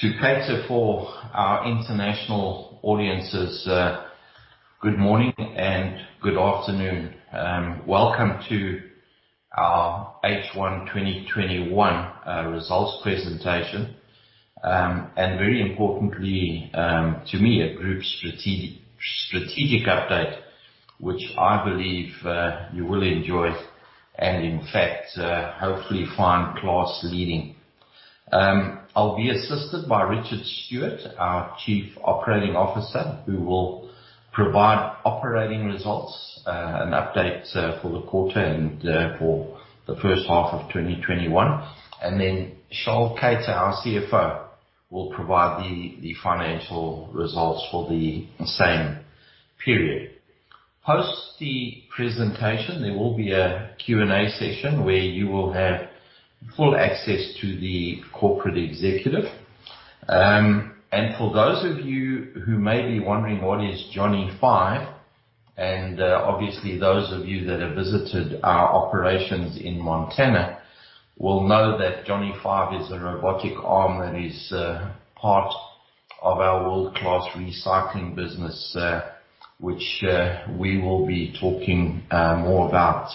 To cater for our international audiences, good morning and good afternoon. Welcome to our H1 2021 Results Presentation. Very importantly, to me, a group strategic update, which I believe you will enjoy and hopefully find class-leading. I'll be assisted by Richard Stewart, our Chief Operating Officer, who will provide operating results and updates for the quarter and for the first half of 2021. Then Charl Keyter, our CFO, will provide the financial results for the same period. Post the presentation, there will be a Q&A session where you will have full access to the corporate executive. For those of you who may be wondering what is Johnny 5, and obviously those of you that have visited our operations in Montana will know that Johnny 5 is a robotic arm that is part of our world-class recycling business, which we will be talking more about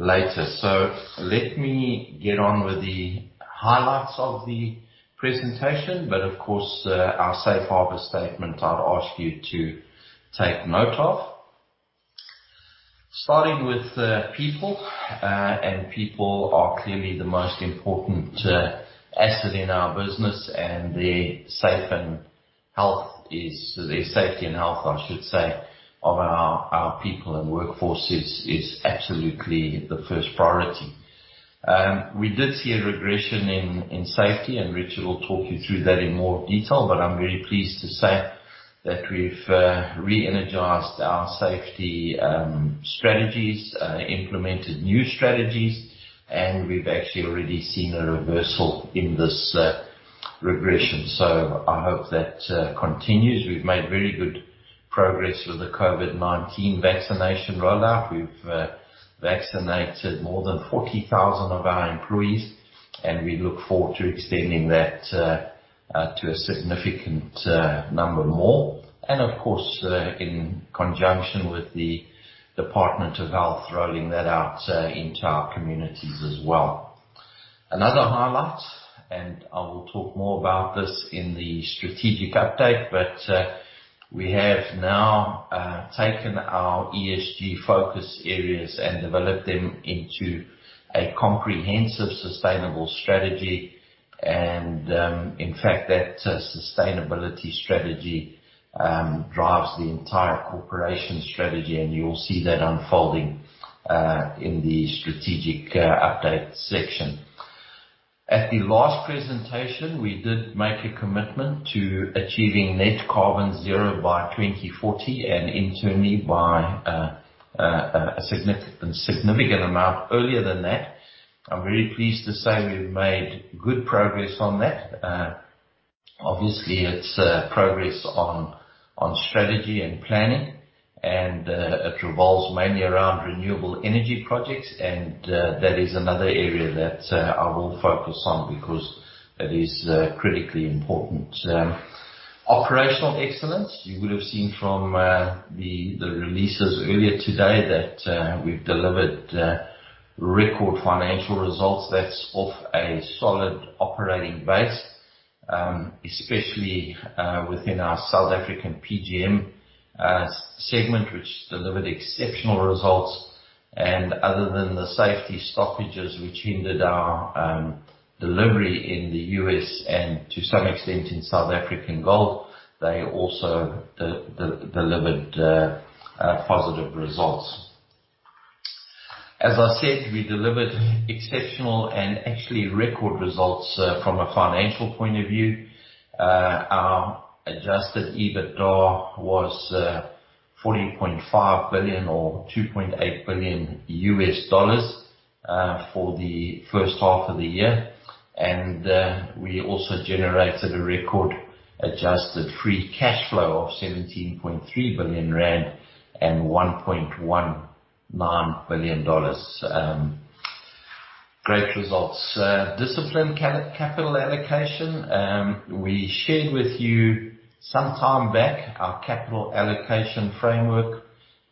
later. Let me get on with the highlights of the presentation. Of course, our safe harbor statement I'd ask you to take note of. Starting with people, and people are clearly the most important asset in our business, and their safety and health, I should say, of our people and workforce is absolutely the first priority. We did see a regression in safety, and Richard will talk you through that in more detail. I'm very pleased to say that we've re-energized our safety strategies, implemented new strategies, and we've actually already seen a reversal in this regression. I hope that continues. We've made very good progress with the COVID-19 vaccination rollout. We've vaccinated more than 40,000 of our employees, and we look forward to extending that to a significant number more. Of course, in conjunction with the Department of Health, rolling that out into our communities as well. Another highlight, and I will talk more about this in the strategic update, but we have now taken our ESG focus areas and developed them into a comprehensive, sustainable strategy. In fact, that sustainability strategy drives the entire corporation strategy, and you'll see that unfolding in the strategic update section. At the last presentation, we did make a commitment to achieving net carbon zero by 2040 and internally by a significant amount earlier than that. I'm very pleased to say we've made good progress on that. Obviously, it's progress on strategy and planning, and it revolves mainly around renewable energy projects, and that is another area that I will focus on because it is critically important. Operational excellence. You would have seen from the releases earlier today that we've delivered record financial results that's off a solid operating base, especially within our South African PGM segment, which delivered exceptional results. Other than the safety stoppages which hindered our delivery in the U.S. and to some extent in South African gold, they also delivered positive results. As I said, we delivered exceptional and actually record results from a financial point of view. Our adjusted EBITDA was 14.5 billion or $2.8 billion for the first half of the year. We also generated a record-adjusted free cash flow of 17.3 billion rand and $1.19 billion. Great results. Disciplined capital allocation. We shared with you some time back our capital allocation framework.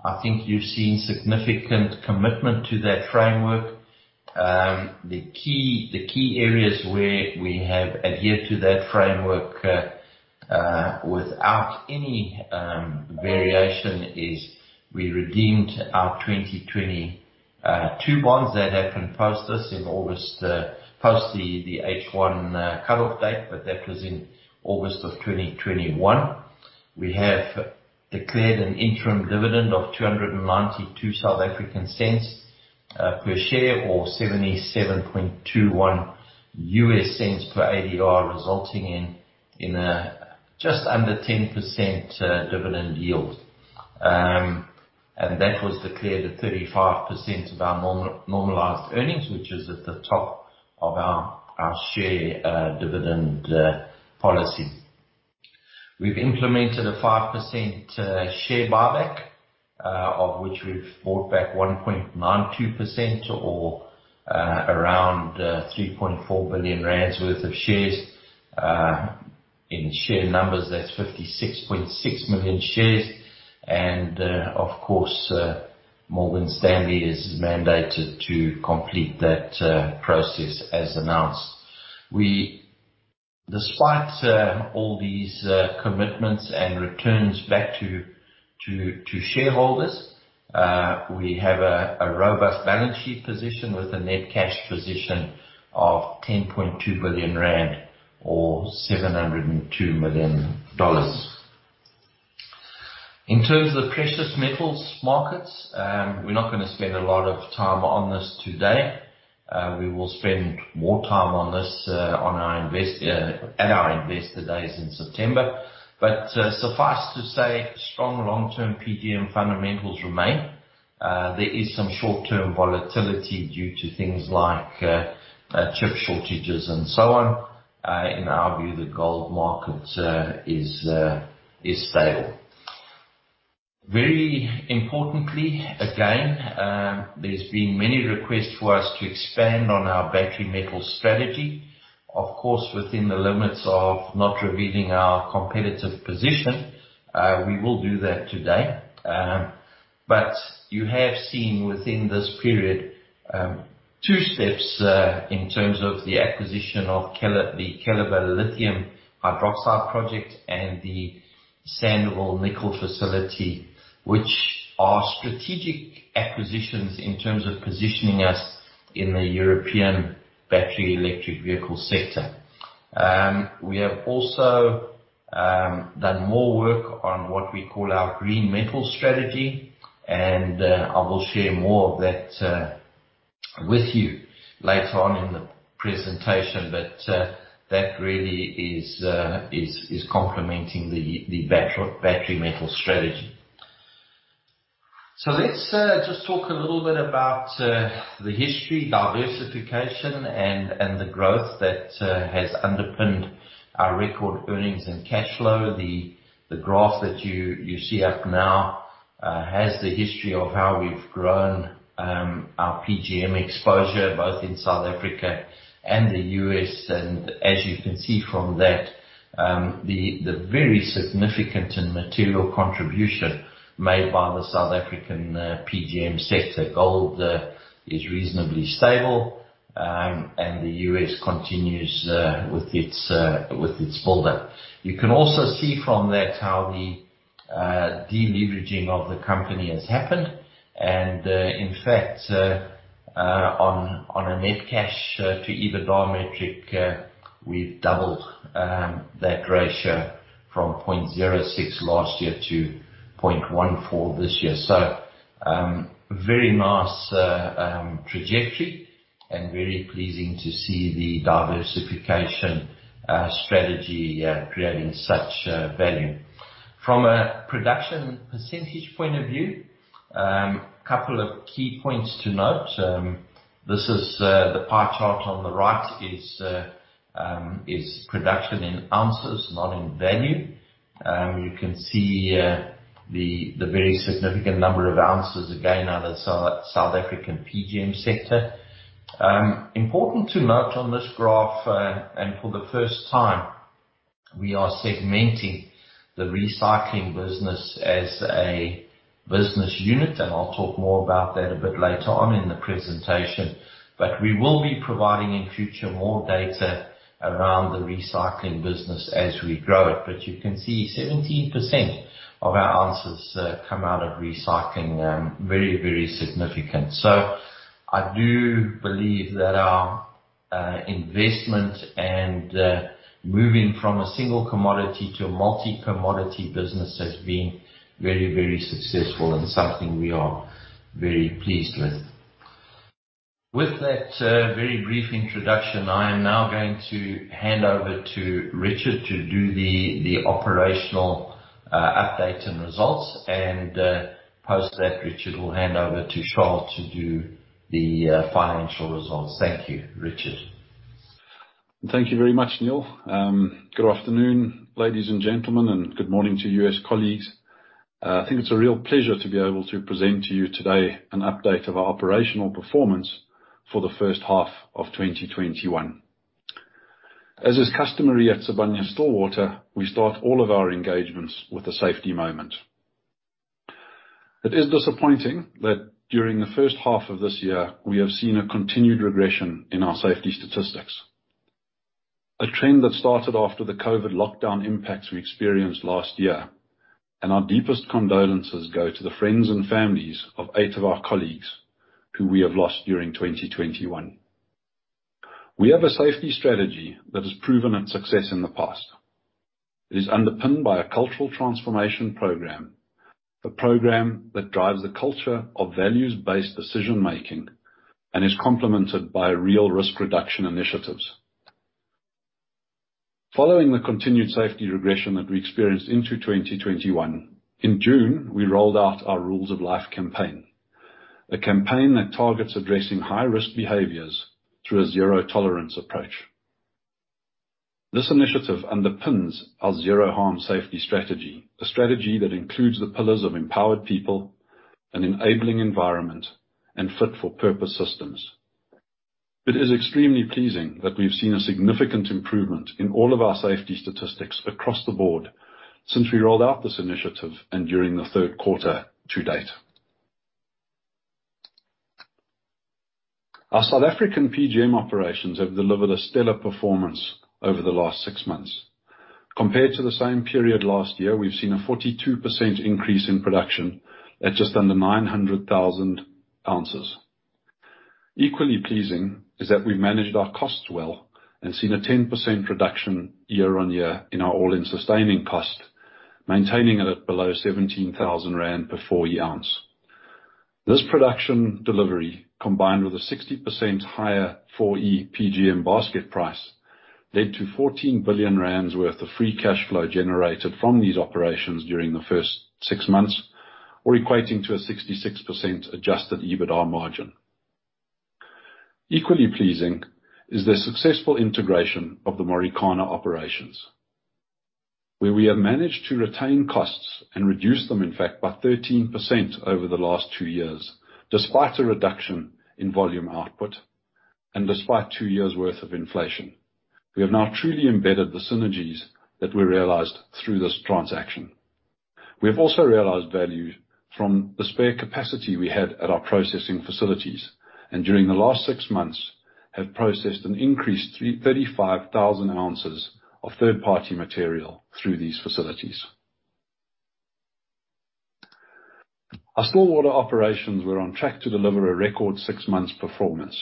I think you've seen significant commitment to that framework. The key areas where we have adhered to that framework without any variation is we redeemed our 2022 bonds that happened post this in August, post the H1 cutoff date, but that was in August of 2021. We have declared an interim dividend of 2.92 per share or $0.7721 per ADR, resulting in just under 10% dividend yield. That was declared at 35% of our normalized earnings, which is at the top of our share dividend policy. We've implemented a 5% share buyback, of which we've bought back 1.92% or around 3.4 billion rand worth of shares. In share numbers, that's 56.6 million shares. Of course, Morgan Stanley is mandated to complete that process as announced. Despite all these commitments and returns back to shareholders, we have a robust balance sheet position with a net cash position of 10.2 billion rand or $702 million. In terms of precious metals markets, we're not going to spend a lot of time on this today. We will spend more time on this at our Investor Days in September. Suffice to say, strong long-term PGM fundamentals remain. There is some short-term volatility due to things like chip shortages and so on. In our view, the gold market is stable. Very importantly, again, there's been many requests for us to expand on our battery metal strategy. Of course, within the limits of not revealing our competitive position, we will do that today. You have seen within this period, two steps in terms of the acquisition of the Keliber lithium hydroxide project and the Sandouville nickel facility, which are strategic acquisitions in terms of positioning us in the European battery electric vehicle sector. We have also done more work on what we call our green metal strategy, and I will share more of that with you later on in the presentation. That really is complementing the battery metal strategy. Let's just talk a little bit about the history, diversification, and the growth that has underpinned our record earnings and cash flow. The graph that you see up now has the history of how we've grown our PGM exposure, both in South Africa and the U.S.. As you can see from that, the very significant and material contribution made by the South African PGM sector. Gold is reasonably stable, and the U.S. continues with its build-up. You can also see from that how the deleveraging of the company has happened. In fact, on a net cash to EBITDA metric, we've doubled that ratio from 0.06 last year to 0.14 this year. Very nice trajectory and very pleasing to see the diversification strategy creating such value. From a production percentage point of view, couple of key points to note. The pie chart on the right is production in ounces, not in value. You can see the very significant number of ounces again out of South African PGM sector. Important to note on this graph, and for the first time, we are segmenting the recycling business as a business unit, and I'll talk more about that a bit later on in the presentation. We will be providing in future more data around the recycling business as we grow it. You can see 17% of our ounces come out of recycling. Very, very significant. I do believe that our investment and moving from a single commodity to a multi-commodity business has been very, very successful and something we are very pleased with. With that very brief introduction, I am now going to hand over to Richard to do the operational update and results. Post that, Richard will hand over to Charl to do the financial results. Thank you. Richard. Thank you very much, Neal. Good afternoon, ladies and gentlemen, and good morning to you, as colleagues. I think it's a real pleasure to be able to present to you today an update of our operational performance for the first half of 2021. As is customary at Sibanye-Stillwater, we start all of our engagements with a safety moment. It is disappointing that during the first half of this year, we have seen a continued regression in our safety statistics, a trend that started after the COVID lockdown impacts we experienced last year. Our deepest condolences go to the friends and families of eight of our colleagues who we have lost during 2021. We have a safety strategy that has proven its success in the past. It is underpinned by a cultural transformation program, a program that drives a culture of values-based decision making and is complemented by real risk reduction initiatives. Following the continued safety regression that we experienced into 2021, in June, we rolled out our Rules of Life campaign. A campaign that targets addressing high-risk behaviors through a zero-tolerance approach. This initiative underpins our zero-harm safety strategy, a strategy that includes the pillars of empowered people, an enabling environment, and fit for purpose systems. It is extremely pleasing that we've seen a significant improvement in all of our safety statistics across the board since we rolled out this initiative and during the third quarter to date. Our South African PGM operations have delivered a stellar performance over the last six months. Compared to the same period last year, we've seen a 42% increase in production at just under 900,000 ounces. Equally pleasing is that we've managed our costs well and seen a 10% reduction year-on-year in our all-in sustaining cost, maintaining it at below 17,000 rand per 4E ounce. This production delivery, combined with a 60% higher 4E PGM basket price, led to 14 billion rand worth of free cash flow generated from these operations during the first six months, or equating to a 66% adjusted EBITDA margin. Equally pleasing is the successful integration of the Marikana operations, where we have managed to retain costs and reduce them, in fact, by 13% over the last two years, despite a reduction in volume output and despite two years' worth of inflation. We have now truly embedded the synergies that we realized through this transaction. We have also realized value from the spare capacity we had at our processing facilities, and during the last six months have processed an increased 335,000 ounces of third-party material through these facilities. Our Stillwater operations were on track to deliver a record six months performance.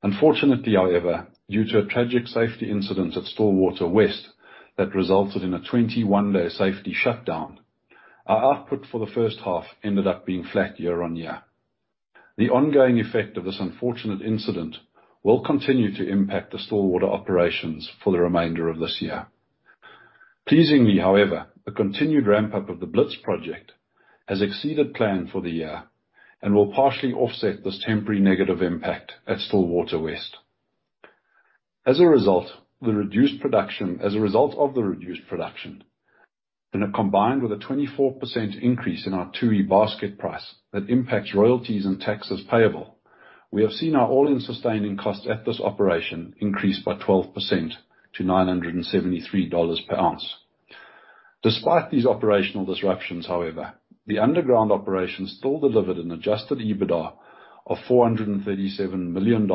Unfortunately, however, due to a tragic safety incident at Stillwater West that resulted in a 21-day safety shutdown, our output for the first half ended up being flat year-on-year. The ongoing effect of this unfortunate incident will continue to impact the Stillwater operations for the remainder of this year. Pleasingly, however, a continued ramp-up of the Blitz project has exceeded plan for the year and will partially offset this temporary negative impact at Stillwater West. As a result of the reduced production, and combined with a 24% increase in our 2E basket price that impacts royalties and taxes payable, we have seen our all-in sustaining cost at this operation increase by 12% to $973 per ounce. Despite these operational disruptions, however, the underground operation still delivered an adjusted EBITDA of $437 million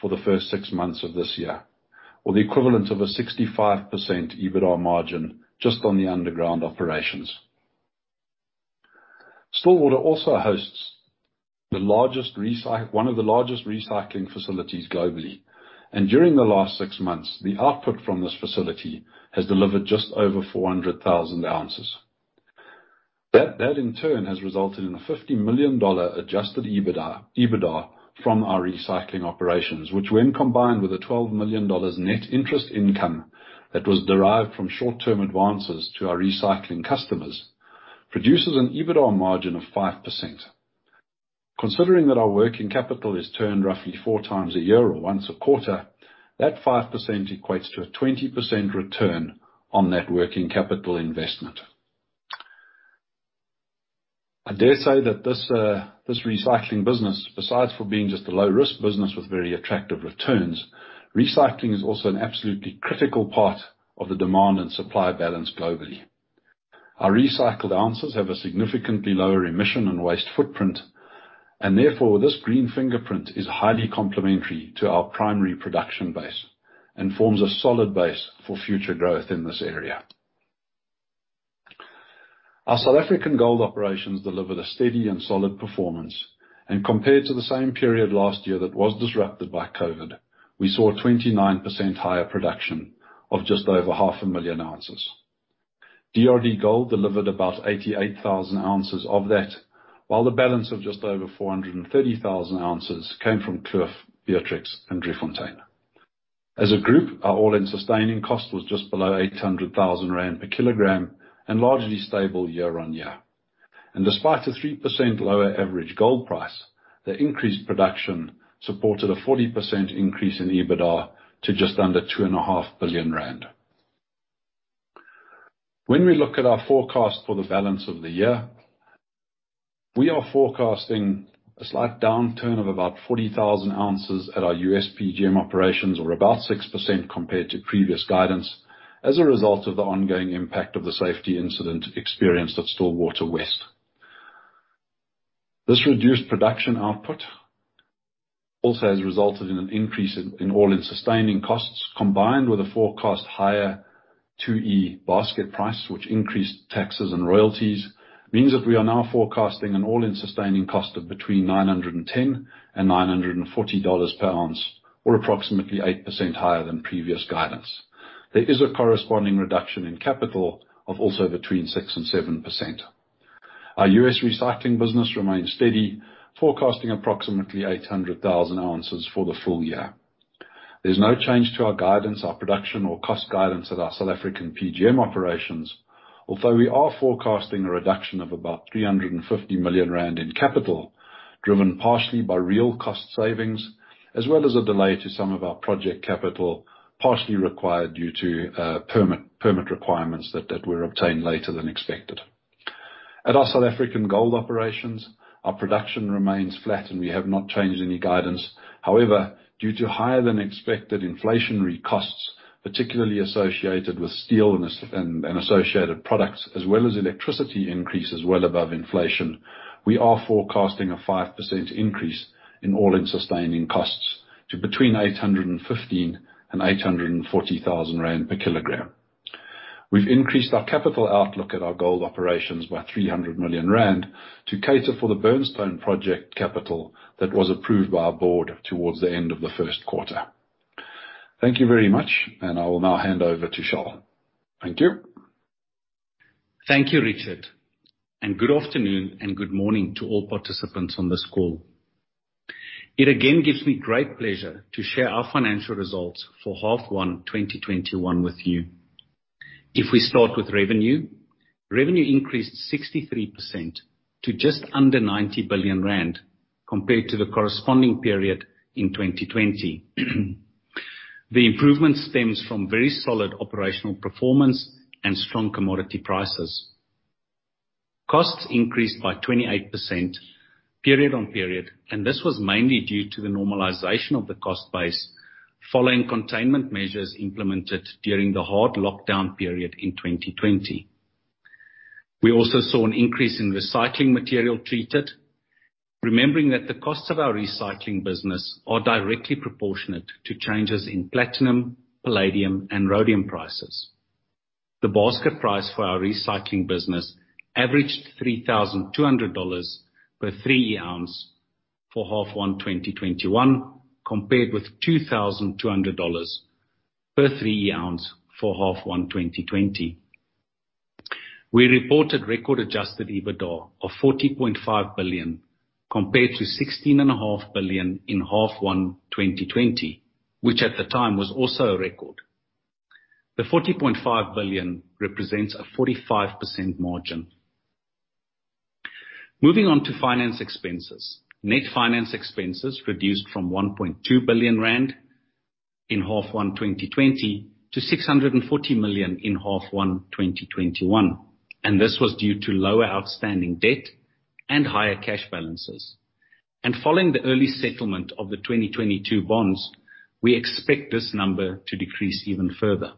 for the first six months of this year, or the equivalent of a 65% EBITDA margin just on the underground operations. Stillwater also hosts one of the largest recycling facilities globally, and during the last six months, the output from this facility has delivered just over 400,000 ounces. That in turn has resulted in a $50 million adjusted EBITDA from our recycling operations, which when combined with a $12 million net interest income that was derived from short-term advances to our recycling customers, produces an EBITDA margin of 5%. Considering that our working capital is turned roughly 4x a year or once a quarter, that 5% equates to a 20% return on that working capital investment. I dare say that this recycling business, besides for being just a low risk business with very attractive returns, recycling is also an absolutely critical part of the demand and supply balance globally. Our recycled ounces have a significantly lower emission and waste footprint, and therefore, this green fingerprint is highly complementary to our primary production base and forms a solid base for future growth in this area. Our South African gold operations delivered a steady and solid performance. Compared to the same period last year that was disrupted by COVID-19, we saw a 29% higher production of just over half a million ounces. DRDGOLD delivered about 88,000 ounces of that, while the balance of just over 430,000 ounces came from Kloof, Beatrix, and Driefontein. As a group, our all-in sustaining cost was just below 800,000 rand per kg and largely stable year-on-year. Despite a 3% lower average gold price, the increased production supported a 40% increase in EBITDA to just under 2.5 billion rand. When we look at our forecast for the balance of the year, we are forecasting a slight downturn of about 40,000 ounces at our U.S. PGM operations or about 6% compared to previous guidance as a result of the ongoing impact of the safety incident experienced at Stillwater West. This reduced production output also has resulted in an increase in all-in sustaining cost, combined with a forecast higher 2E basket price, which increased taxes and royalties, means that we are now forecasting an all-in sustaining cost of between $910 and $940 per ounce or approximately 8% higher than previous guidance. There is a corresponding reduction in capital of also between 6%-7%. Our U.S. recycling business remains steady, forecasting approximately 800,000 ounces for the full year. There's no change to our guidance, our production or cost guidance at our SA PGM operations. Although we are forecasting a reduction of about 350 million rand in capital, driven partially by real cost savings, as well as a delay to some of our project capital, partially required due to permit requirements that were obtained later than expected. At our South African gold operations, our production remains flat, and we have not changed any guidance. However, due to higher than expected inflationary costs, particularly associated with steel and associated products, as well as electricity increases well above inflation, we are forecasting a 5% increase in all-in sustaining costs to between 815 and 840,000 rand per kg. We've increased our capital outlook at our gold operations by 300 million rand to cater for the Burnstone project capital that was approved by our board towards the end of the first quarter. Thank you very much, and I will now hand over to Charl. Thank you. Thank you, Richard, good afternoon and good morning to all participants on this call. It again gives me great pleasure to share our financial results for half one 2021 with you. If we start with revenue, revenue increased 63% to just under 90 billion rand, compared to the corresponding period in 2020. The improvement stems from very solid operational performance and strong commodity prices. Costs increased by 28% period on period. This was mainly due to the normalization of the cost base following containment measures implemented during the hard lockdown period in 2020. We also saw an increase in recycling material treated, remembering that the cost of our recycling business are directly proportionate to changes in platinum, palladium, and rhodium prices. The basket price for our recycling business averaged $3,200 per 3E ounce for H1 2021, compared with $2,200 per 3E ounce for H1 2020. We reported record adjusted EBITDA of 40.5 billion compared to 16.5 billion in H1 2020, which at the time was also a record. The 40.5 billion represents a 45% margin. Moving on to finance expenses. Net finance expenses reduced from 1.2 billion rand in H1 2020 to 640 million in H1 2021. This was due to lower outstanding debt and higher cash balances. Following the early settlement of the 2022 bonds, we expect this number to decrease even further.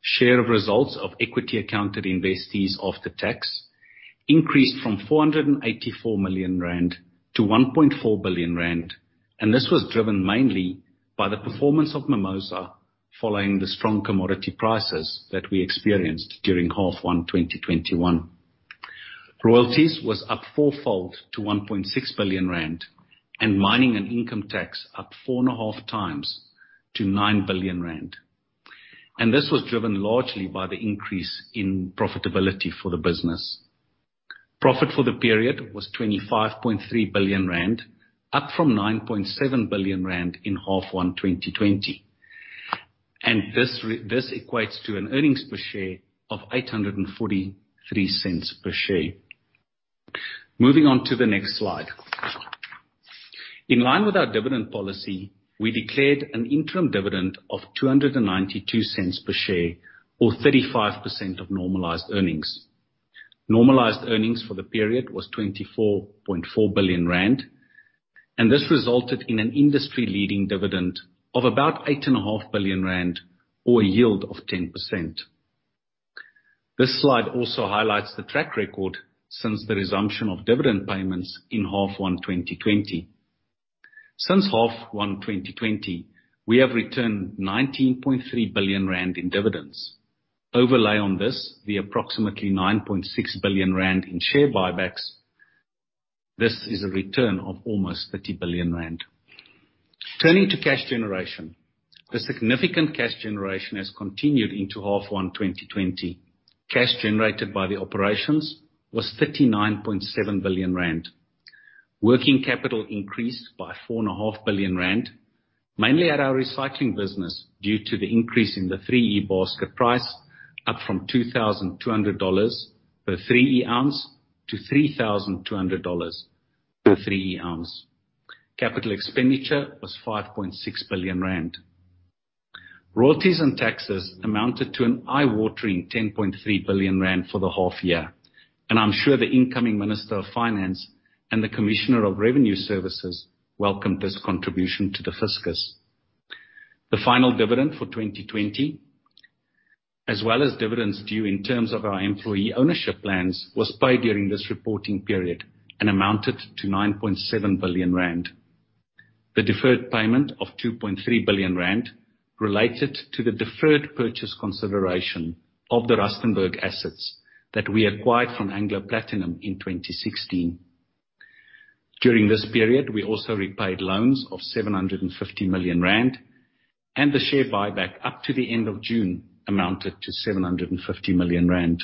Share of results of equity accounted investees of the tax increased from 484 million rand to 1.4 billion rand. This was driven mainly by the performance of Mimosa, following the strong commodity prices that we experienced during half one 2021. Royalties was up four-fold to 1.6 billion rand. Mining and income tax up four and a half times to 9 billion rand. This was driven largely by the increase in profitability for the business. Profit for the period was 25.3 billion rand, up from 9.7 billion rand in half one 2020. This equates to an earnings per share of 8.43 per share. Moving on to the next slide. In line with our dividend policy, we declared an interim dividend of 2.92 per share or 35% of normalized earnings. Normalized earnings for the period was 24.4 billion rand, this resulted in an industry-leading dividend of about 8.5 billion rand or a yield of 10%. This slide also highlights the track record since the resumption of dividend payments in half one 2020. Since half one 2020, we have returned 19.3 billion rand in dividends. Overlay on this, the approximately 9.6 billion rand in share buybacks. This is a return of almost 30 billion rand. Turning to cash generation. The significant cash generation has continued into half one 2020. Cash generated by the operations was 39.7 billion rand. Working capital increased by 4.5 billion rand, mainly at our recycling business, due to the increase in the 3E basket price up from $2,200 per 3E ounce to $3,200 per 3E ounce. Capital expenditure was 5.6 billion rand. Royalties and taxes amounted to an eye-watering 10.3 billion rand for the half year, and I'm sure the incoming Minister of Finance and the Commissioner of Revenue Services welcomed this contribution to the fiscus. The final dividend for 2020, as well as dividends due in terms of our employee ownership plans, was paid during this reporting period and amounted to 9.7 billion rand. The deferred payment of 2.3 billion rand related to the deferred purchase consideration of the Rustenburg assets that we acquired from Anglo Platinum in 2016. During this period, we also repaid loans of 750 million rand. The share buyback up to the end of June amounted to 750 million rand.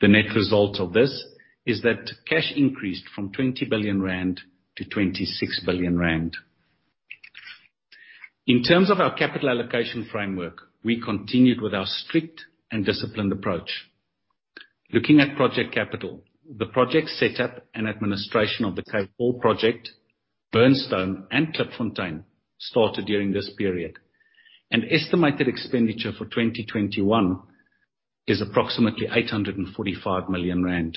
The net result of this is that cash increased from 20 billion rand to 26 billion rand. In terms of our capital allocation framework, we continued with our strict and disciplined approach. Looking at project capital, the project setup and administration of the K4 project, Burnstone and Klipfontein started during this period. An estimated expenditure for 2021 is approximately 845 million rand.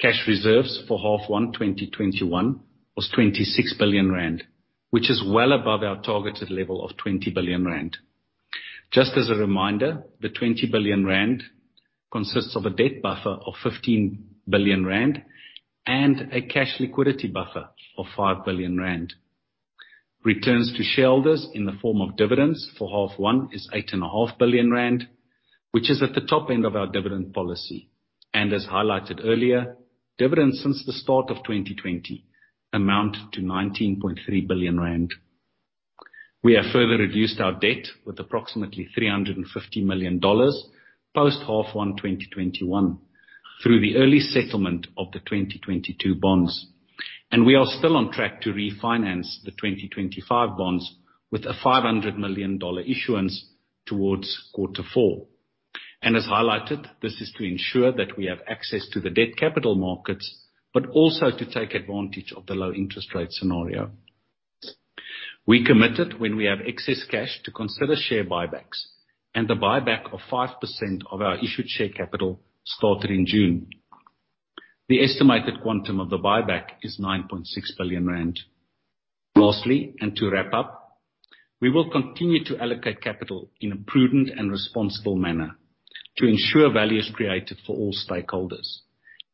Cash reserves for half one 2021 was 26 billion rand, which is well above our targeted level of 20 billion rand. Just as a reminder, the 20 billion rand consists of a debt buffer of 15 billion rand and a cash liquidity buffer of 5 billion rand. Returns to shareholders in the form of dividends for half one is 8.5 billion rand, which is at the top end of our dividend policy. As highlighted earlier, dividends since the start of 2020 amount to 19.3 billion rand. We have further reduced our debt with approximately $350 million post half one 2021 through the early settlement of the 2022 bonds. We are still on track to refinance the 2025 bonds with a $500 million issuance towards quarter four. As highlighted, this is to ensure that we have access to the debt capital markets, but also to take advantage of the low-interest rate scenario. We committed when we have excess cash to consider share buybacks, and the buyback of 5% of our issued share capital started in June. The estimated quantum of the buyback is 9.6 billion rand. Lastly, and to wrap up, we will continue to allocate capital in a prudent and responsible manner to ensure value is created for all stakeholders,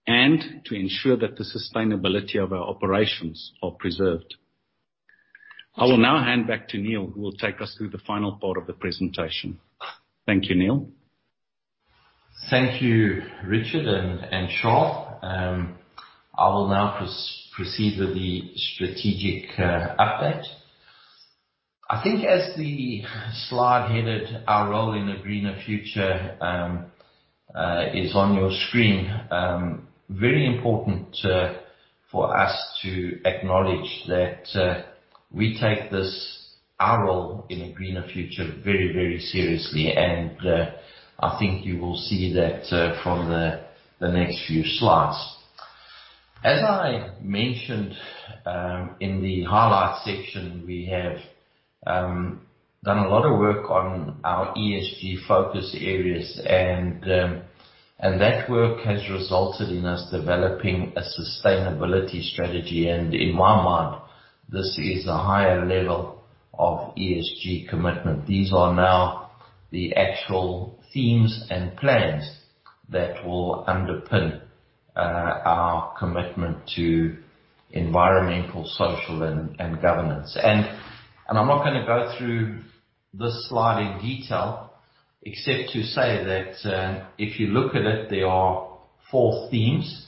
and to ensure that the sustainability of our operations are preserved. I will now hand back to Neal, who will take us through the final part of the presentation. Thank you, Neal. Thank you, Richard and Charl. I will now proceed with the strategic update. I think as the slide headed Our Role in a Greener Future is on your screen, very important for us to acknowledge that we take this, our role in a greener future very, very seriously. I think you will see that from the next few slides. As I mentioned in the highlight section, we have done a lot of work on our ESG focus areas. That work has resulted in us developing a sustainability strategy. In my mind, this is a higher level of ESG commitment. These are now the actual themes and plans that will underpin our commitment to environmental, social, and governance. I'm not gonna go through this slide in detail except to say that if you look at it, there are four themes.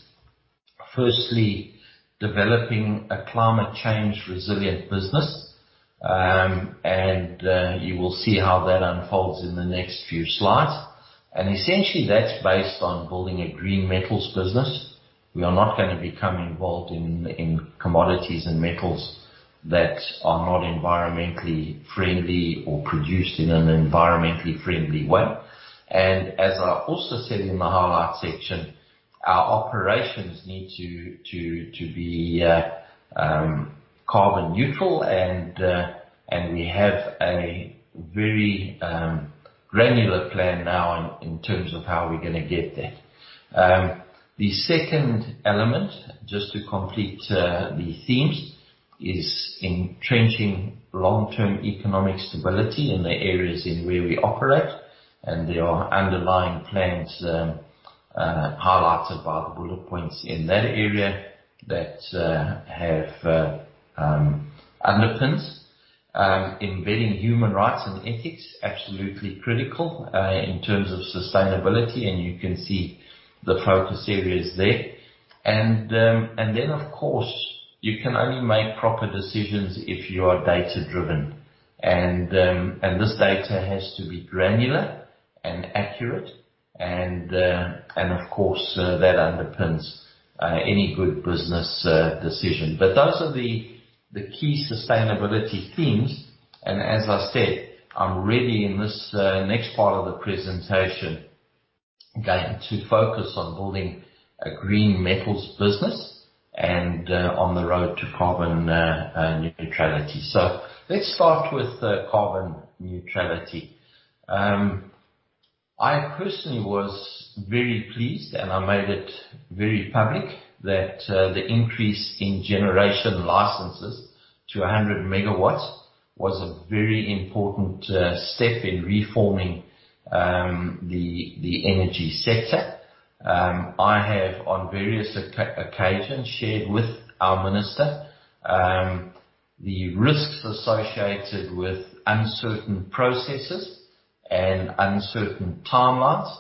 Firstly, developing a climate change resilient business. You will see how that unfolds in the next few slides. Essentially, that's based on building a green metals business. We are not going to become involved in commodities and metals that are not environmentally friendly or produced in an environmentally friendly way. As I also said in the highlight section, our operations need to be carbon neutral. We have a very granular plan now in terms of how we're going to get there. The second element, just to complete the themes, is entrenching long-term economic stability in the areas in where we operate. There are underlying plans highlighted by the bullet points in that area that have underpins. Embedding human rights and ethics, absolutely critical in terms of sustainability, and you can see the focus areas there. Of course, you can only make proper decisions if you are data-driven. This data has to be granular and accurate. Of course, that underpins any good business decision. Those are the key sustainability themes. As I said, I'm ready in this next part of the presentation, going to focus on building a green metals business and on the road to carbon neutrality. Let's start with carbon neutrality. I personally was very pleased, and I made it very public that the increase in generation licenses to 100 MW was a very important step in reforming the energy sector. I have, on various occasions, shared with our minister the risks associated with uncertain processes and uncertain timelines,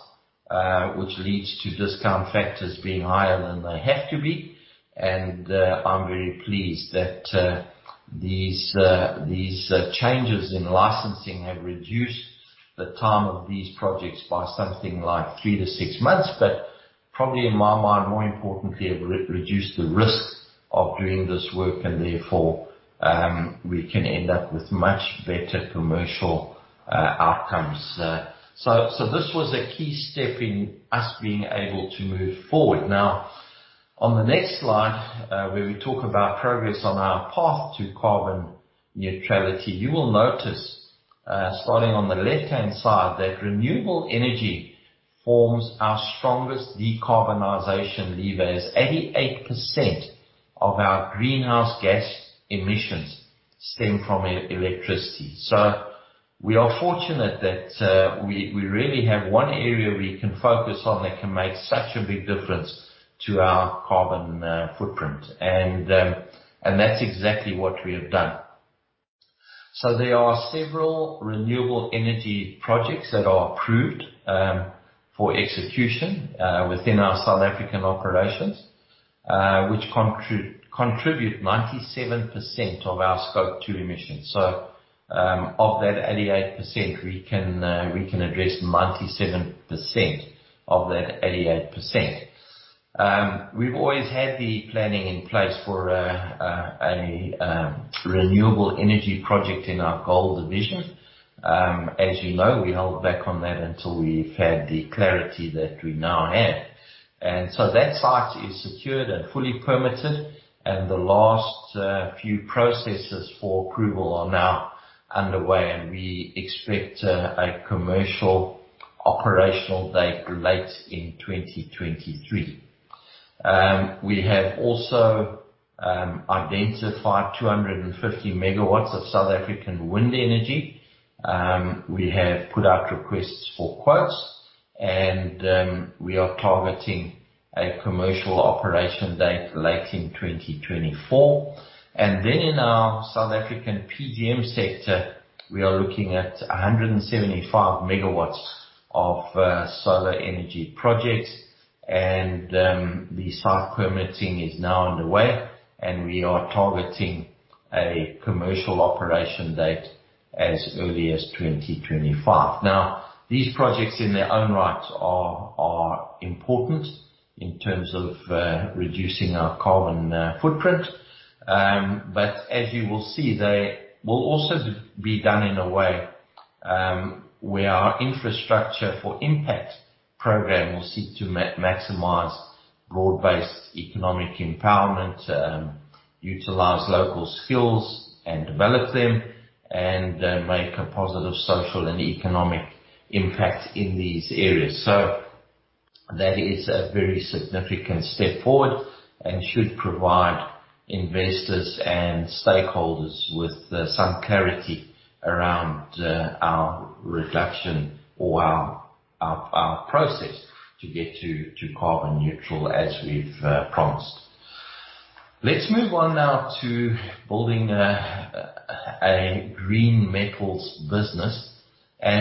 which leads to discount factors being higher than they have to be. I'm very pleased that these changes in licensing have reduced the time of these projects by something like three-six months, but probably in my mind, more importantly, have reduced the risk of doing this work and therefore we can end up with much better commercial outcomes. This was a key step in us being able to move forward. On the next slide, where we talk about progress on our path to carbon neutrality. You will notice, starting on the left-hand side, that renewable energy forms our strongest decarbonization levers. 88% of our greenhouse gas emissions stem from electricity. We are fortunate that we really have one area we can focus on that can make such a big difference to our carbon footprint. That's exactly what we have done. There are several renewable energy projects that are approved for execution within our South African operations, which contribute 97% of our Scope 2 emissions. Of that 88%, we can address 97% of that 88%. We've always had the planning in place for a renewable energy project in our gold division. As you know, we held back on that until we've had the clarity that we now have. That site is secured and fully permitted, and the last few processes for approval are now underway, and we expect a commercial operational date late in 2023. We have also identified 250 MW of South African wind energy. We have put out requests for quotes, and we are targeting a commercial operation date late in 2024. Then in our South African PGM sector, we are looking at 175 MW of solar energy projects and the site permitting is now underway, and we are targeting a commercial operation date as early as 2025. As you will see, they will also be done in a way where our Infrastructure for Impact program will seek to maximize broad-based economic empowerment, utilize local skills and develop them, and make a positive social and economic impact in these areas. That is a very significant step forward and should provide investors and stakeholders with some clarity around our reduction or our process to get to carbon neutral as we've promised. Let's move on now to building a green metals business. A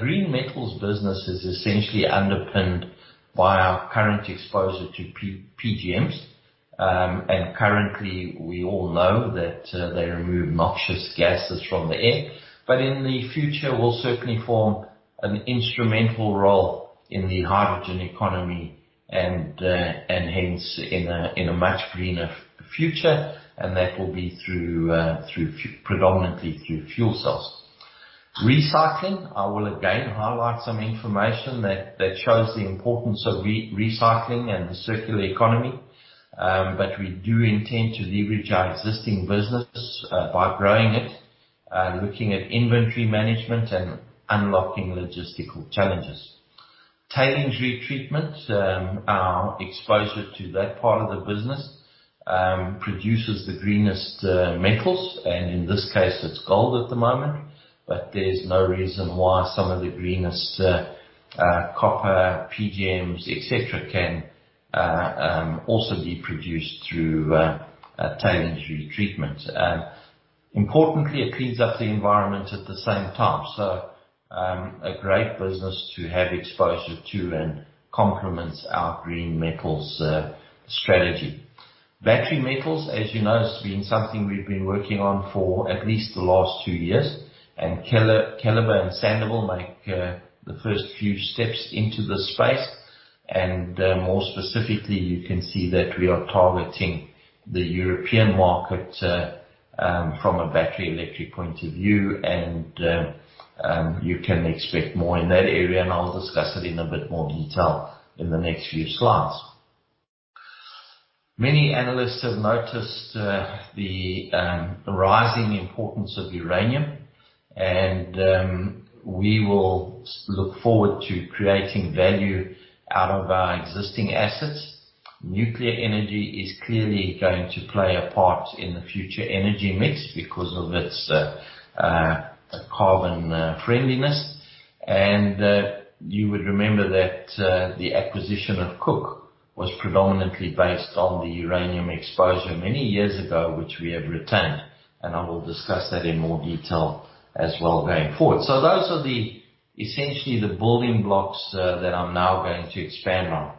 green metals business is essentially underpinned by our current exposure to PGMs. Currently, we all know that they remove noxious gases from the air. In the future will certainly form an instrumental role in the hydrogen economy and hence in a much greener future, and that will be predominantly through fuel cells. Recycling, I will again highlight some information that shows the importance of recycling and the circular economy, but we do intend to leverage our existing business by growing it, looking at inventory management and unlocking logistical challenges. Tailings retreatment, our exposure to that part of the business, produces the greenest metals, and in this case, it's gold at the moment, but there's no reason why some of the greenest copper, PGMs, et cetera, can also be produced through tailings retreatment. Importantly, it cleans up the environment at the same time. A great business to have exposure to and complements our green metals strategy. Battery metals, as you know, has been something we've been working on for at least the last two years. Keliber and Sandouville make the first few steps into this space. More specifically, you can see that we are targeting the European market from a battery electric point of view. You can expect more in that area. I'll discuss it in a bit more detail in the next few slides. Many analysts have noticed the rising importance of uranium. We will look forward to creating value out of our existing assets. Nuclear energy is clearly going to play a part in the future energy mix because of its carbon friendliness. You would remember that the acquisition of Cooke was predominantly based on the uranium exposure many years ago, which we have retained, and I will discuss that in more detail as well going forward. Those are essentially the building blocks that I'm now going to expand on.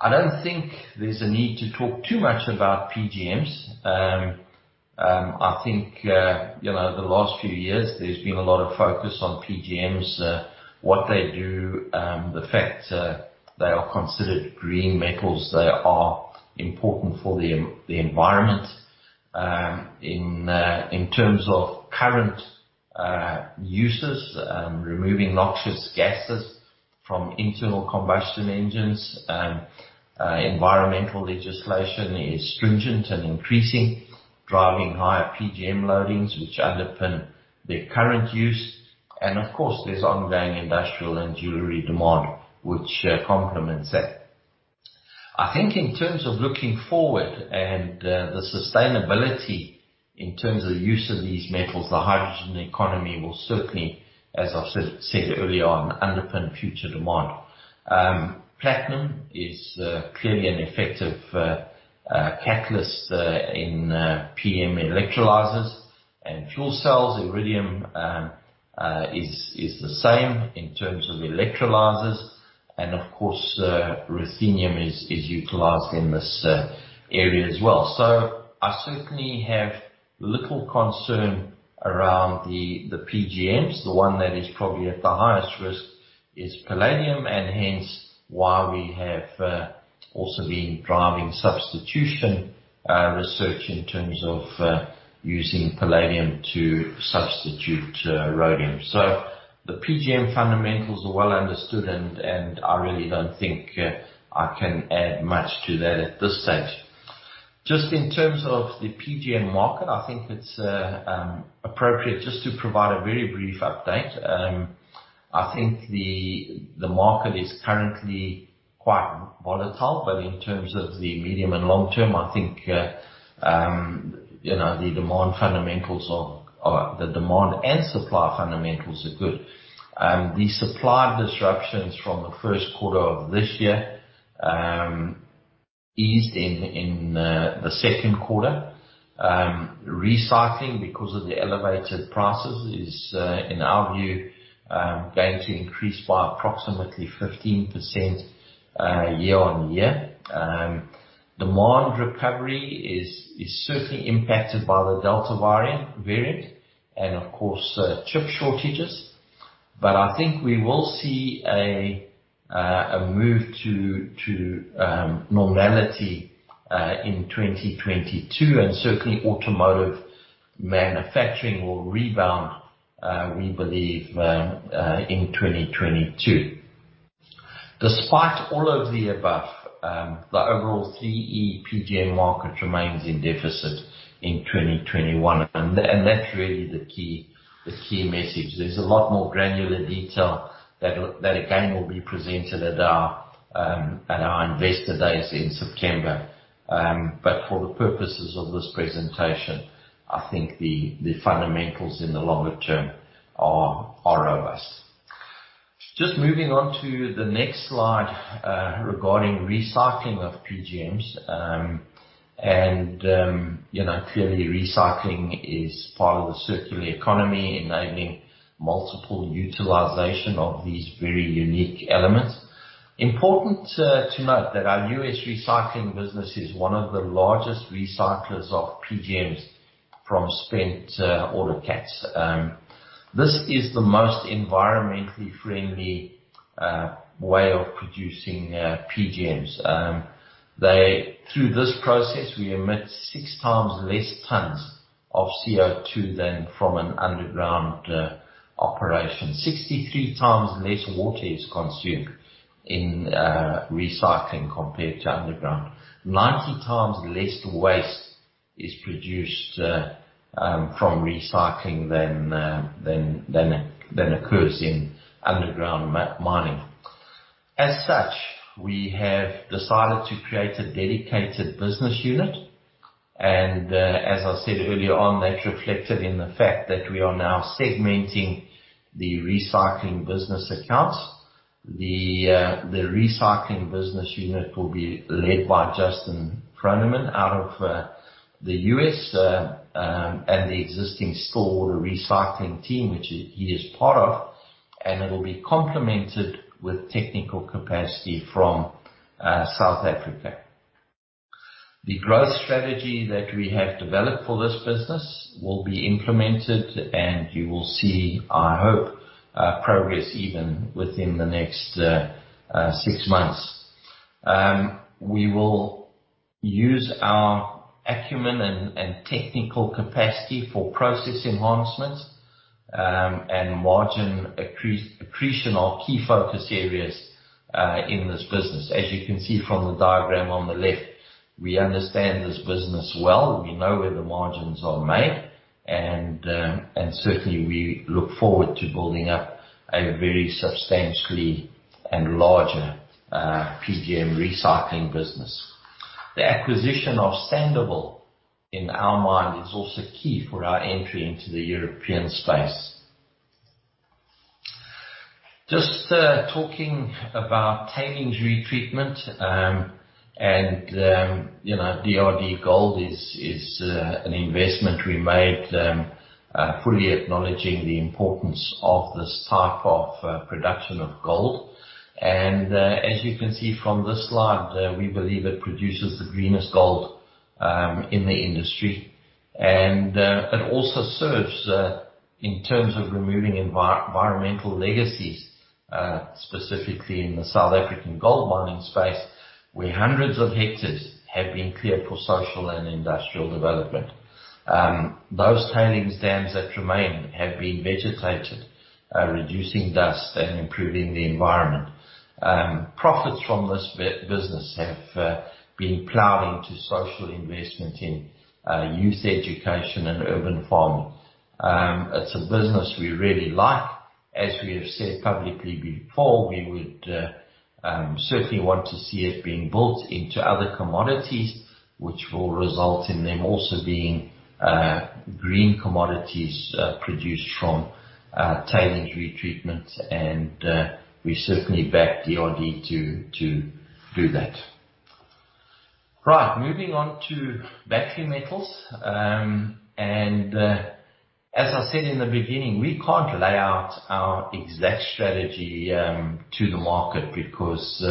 I don't think there's a need to talk too much about PGMs. I think the last few years there's been a lot of focus on PGMs, what they do, the fact they are considered green metals. They are important for the environment in terms of current uses, removing noxious gases from internal combustion engines. Environmental legislation is stringent and increasing, driving higher PGM loadings which underpin their current use. Of course, there's ongoing industrial and jewelry demand, which complements that. I think in terms of looking forward and the sustainability in terms of use of these metals, the hydrogen economy will certainly, as I've said earlier on, underpin future demand. Platinum is clearly an effective catalyst in PEM electrolyzers and fuel cells. Iridium is the same in terms of electrolyzers, and of course, ruthenium is utilized in this area as well. I certainly have little concern around the PGMs. The one that is probably at the highest risk is palladium, and hence why we have also been driving substitution research in terms of using palladium to substitute rhodium. The PGM fundamentals are well understood, and I really don't think I can add much to that at this stage. Just in terms of the PGM market, I think it's appropriate just to provide a very brief update. I think the market is currently quite volatile, but in terms of the medium and long term, I think the demand and supply fundamentals are good. The supply disruptions from the first quarter of this year eased in the second quarter. Recycling, because of the elevated prices, is in our view going to increase by approximately 15% year on year. Demand recovery is certainly impacted by the Delta variant and of course, chip shortages. I think we will see a move to normality in 2022, and certainly automotive manufacturing will rebound, we believe, in 2022. Despite all of the above, the overall CE PGM market remains in deficit in 2021, and that's really the key message. There's a lot more granular detail that again, will be presented at our Investor Days in September. For the purposes of this presentation, I think the fundamentals in the longer term are robust. Just moving on to the next slide regarding recycling of PGMs. Clearly recycling is part of the circular economy, enabling multiple utilization of these very unique elements. Important to note that our U.S. recycling business is one of the largest recyclers of PGMs from spent autocats. This is the most environmentally friendly way of producing PGMs. Through this process, we emit 6x less tons of CO2 than from an underground operation. 63x less water is consumed in recycling compared to underground. 90x less waste is produced from recycling than occurs in underground mining. As such, we have decided to create a dedicated business unit, and as I said earlier on, that's reflected in the fact that we are now segmenting the recycling business accounts. The recycling business unit will be led by Justin Froneman out of the U.S. and the existing Stillwater recycling team, which he is part of, and it will be complemented with technical capacity from South Africa. The growth strategy that we have developed for this business will be implemented, and you will see, I hope, progress even within the next six months. We will use our acumen and technical capacity for process enhancements and margin accretion are key focus areas in this business. As you can see from the diagram on the left, we understand this business well. We know where the margins are made, and certainly we look forward to building up a very substantially and larger PGM recycling business. The acquisition of Sandouville, in our mind, is also key for our entry into the European space. Just talking about tailings retreatment, and DRDGOLD is an investment we made fully acknowledging the importance of this type of production of gold. As you can see from this slide, we believe it produces the greenest gold in the industry. It also serves in terms of removing environmental legacies, specifically in the South African gold mining space, where hundreds of hectares have been cleared for social and industrial development. Those tailings dams that remain have been vegetated, reducing dust and improving the environment. Profits from this business have been plowing to social investment in youth education and urban farming. It's a business we really like. As we have said publicly before, we would certainly want to see it being built into other commodities, which will result in them also being green commodities produced from tailings retreatment, and we certainly back DRD to do that. Right. Moving on to battery metals. As I said in the beginning, we can't lay out our exact strategy to the market because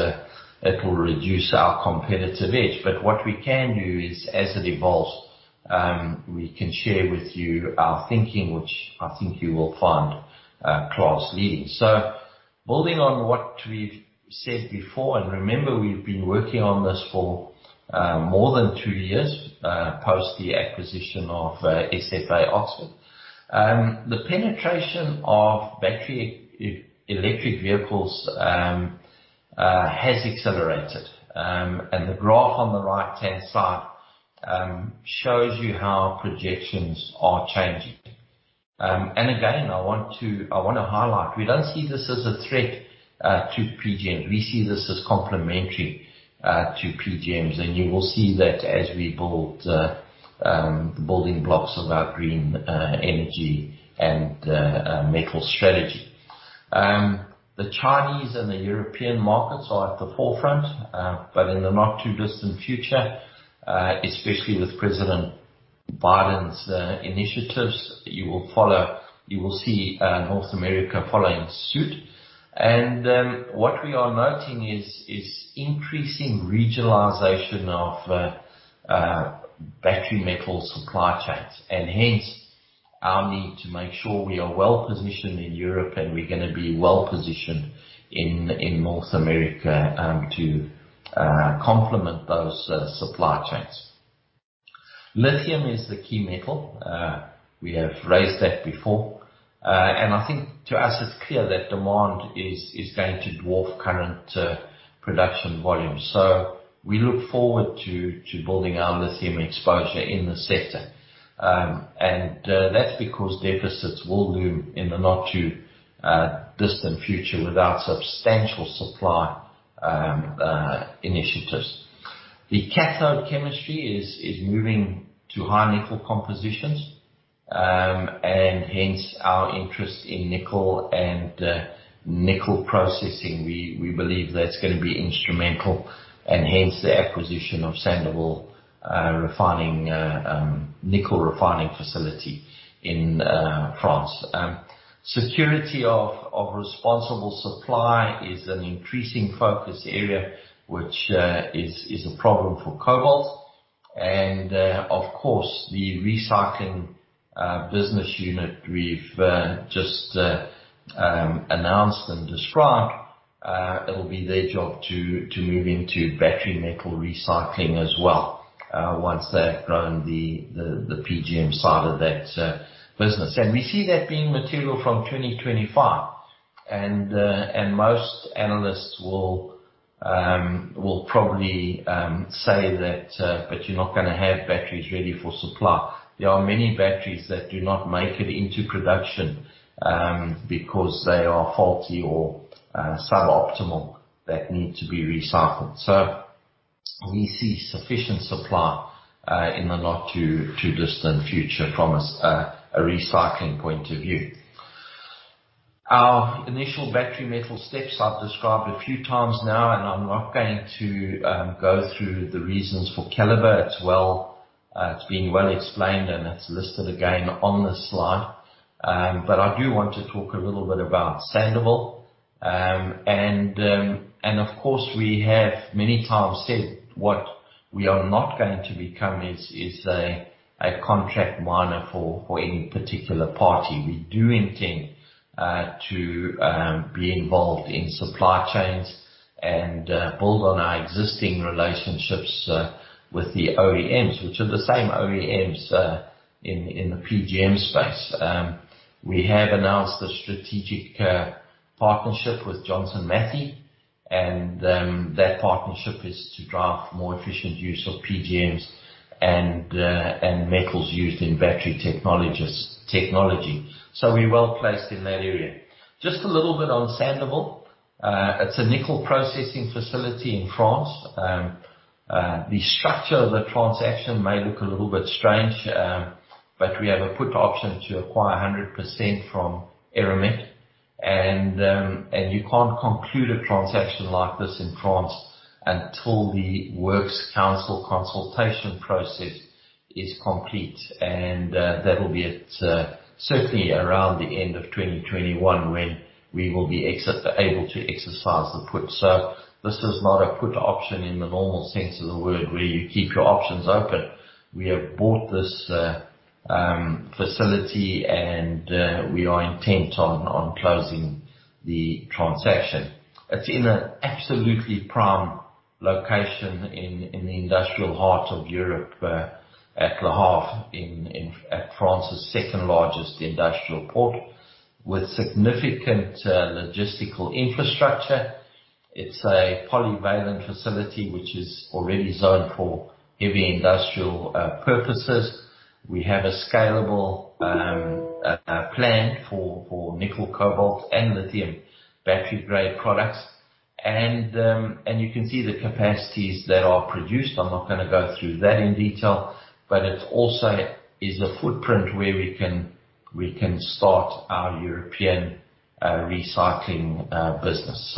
it will reduce our competitive edge. What we can do is, as it evolves, we can share with you our thinking, which I think you will find class leading. Building on what we've said before, and remember, we've been working on this for more than two years, post the acquisition of SFA (Oxford). The penetration of battery electric vehicles has accelerated. The graph on the right-hand side shows you how projections are changing. Again, I want to highlight, we don't see this as a threat to PGM. We see this as complementary to PGMs, and you will see that as we build the building blocks of our green energy and metal strategy. The Chinese and the European markets are at the forefront. In the not-too-distant future, especially with President Biden's initiatives, you will follow, you will see North America following suit. What we are noting is increasing regionalization of battery metal supply chains, and hence our need to make sure we are well-positioned in Europe and we're going to be well-positioned in North America to complement those supply chains. Lithium is the key metal. We have raised that before. I think to us it's clear that demand is going to dwarf current production volume. We look forward to building our lithium exposure in the sector. That's because deficits will loom in the not-too-distant future without substantial supply initiatives. The cathode chemistry is moving to high nickel compositions, and hence our interest in nickel and nickel processing. We believe that's going to be instrumental, and hence the acquisition of Sandouville nickel refinery in France. Security of responsible supply is an increasing focus area, which is a problem for cobalt. Of course, the recycling business unit we've just announced and described, it'll be their job to move into battery metal recycling as well once they have grown the PGM side of that business. We see that being material from 2025. Most analysts will probably say that but you're not going to have batteries ready for supply. There are many batteries that do not make it into production because they are faulty or suboptimal that need to be recycled. We see sufficient supply in the not-too-distant future from a recycling point of view. Our initial battery metal steps I've described a few times now, and I'm not going to go through the reasons for Keliber. It's been well explained and it's listed again on this slide. I do want to talk a little bit about Sandouville. Of course, we have many times said what we are not going to become is a contract miner for any particular party. We do intend to be involved in supply chains and build on our existing relationships with the OEMs, which are the same OEMs in the PGM space. We have announced a strategic partnership with Johnson Matthey, and that partnership is to drive more efficient use of PGMs and metals used in battery technology. We're well-placed in that area. Just a little bit on Sandouville. It's a nickel processing facility in France. The structure of the transaction may look a little bit strange, but we have a put option to acquire 100% from Eramet. You can't conclude a transaction like this in France until the works council consultation process is complete. That'll be at certainly around the end of 2021 when we will be able to exercise the put. This is not a put option in the normal sense of the word where you keep your options open. We have bought this facility and we are intent on closing the transaction. It's in an absolutely prime location in the industrial heart of Europe at Le Havre at France's second-largest industrial port with significant logistical infrastructure. It's a polyvalent facility which is already zoned for heavy industrial purposes. We have a scalable plan for nickel, cobalt and lithium battery grade products. You can see the capacities that are produced. I'm not going to go through that in detail, but it also is a footprint where we can start our European recycling business.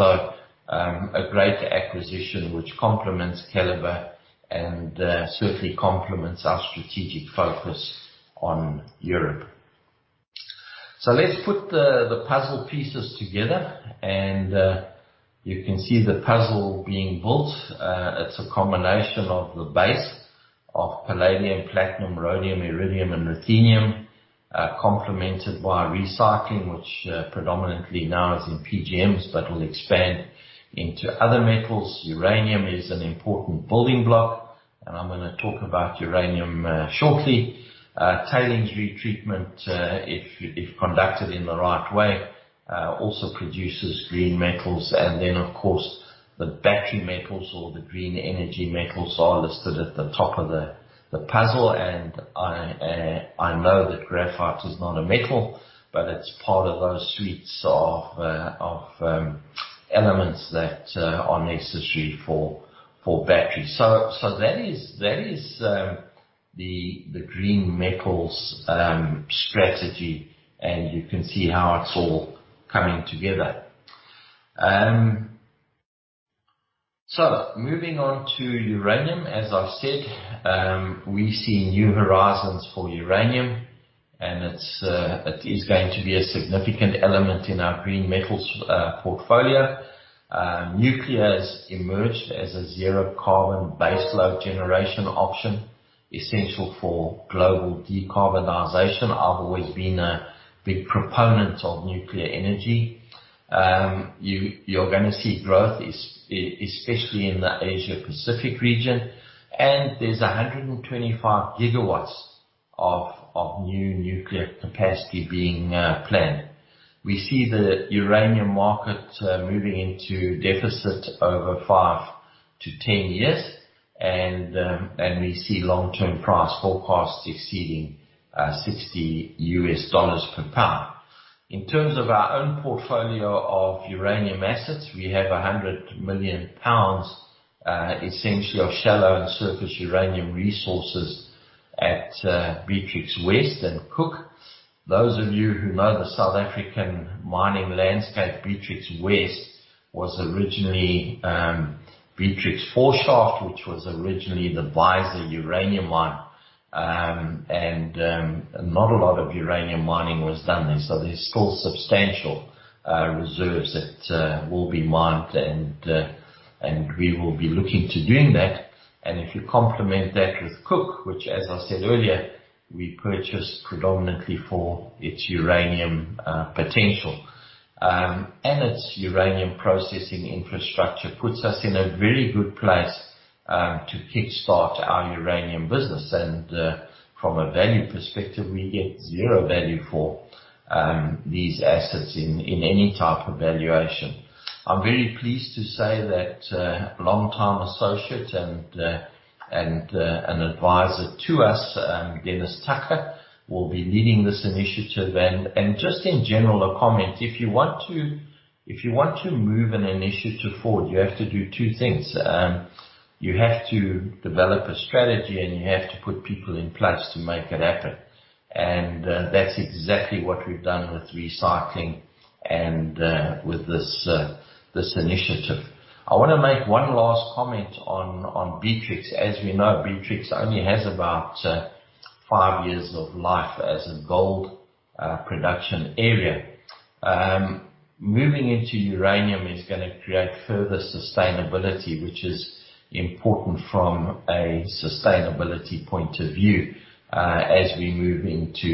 A great acquisition which complements Keliber and certainly complements our strategic focus on Europe. Let's put the puzzle pieces together and you can see the puzzle being built. It's a combination of the base of palladium, platinum, rhodium, iridium and ruthenium, complemented by recycling, which predominantly now is in PGMs but will expand into other metals. Uranium is an important building block and I'm going to talk about uranium shortly. Tailings retreatment if conducted in the right way also produces green metals. Then of course, the battery metals or the green energy metals are listed at the top of the puzzle. I know that graphite is not a metal, but it's part of those suites of elements that are necessary for batteries. That is the green metals strategy. You can see how it's all coming together. Moving on to uranium. As I've said, we see new horizons for uranium and it is going to be a significant element in our green metals portfolio. Nuclear has emerged as a zero-carbon baseload generation option essential for global decarbonization. I've always been a big proponent of nuclear energy. We see growth especially in the Asia-Pacific region and is 125 GW of new nuclear [inaudible] plant. We see the uranium market moving into deficit over five-10 years. We see long term price forecasts exceeding $60 per pound. In terms of our own portfolio of uranium assets, we have 100 million pounds essentially of shallow and surface uranium resources at Beatrix West and Cooke. Those of you who know the South African mining landscape, Beatrix West was originally Beatrix 4 Shaft, which was originally the Beisa uranium mine. Not a lot of uranium mining was done there. There's still substantial reserves that will be mined and we will be looking to doing that. If you complement that with Cooke, which as I said earlier, we purchased predominantly for its uranium potential and its uranium processing infrastructure puts us in a very good place to kickstart our uranium business. From a value perspective, we get zero value for these assets in any type of valuation. I'm very pleased to say that longtime associate and advisor to us, Dennis Tucker, will be leading this initiative. Just in general, a comment, if you want to move an initiative forward, you have to do two things. You have to develop a strategy, and you have to put people in place to make it happen. That's exactly what we've done with recycling and with this initiative. I want to make one last comment on Beatrix. As we know, Beatrix only has about five years of life as a gold production area. Moving into uranium is going to create further sustainability, which is important from a sustainability point of view as we move into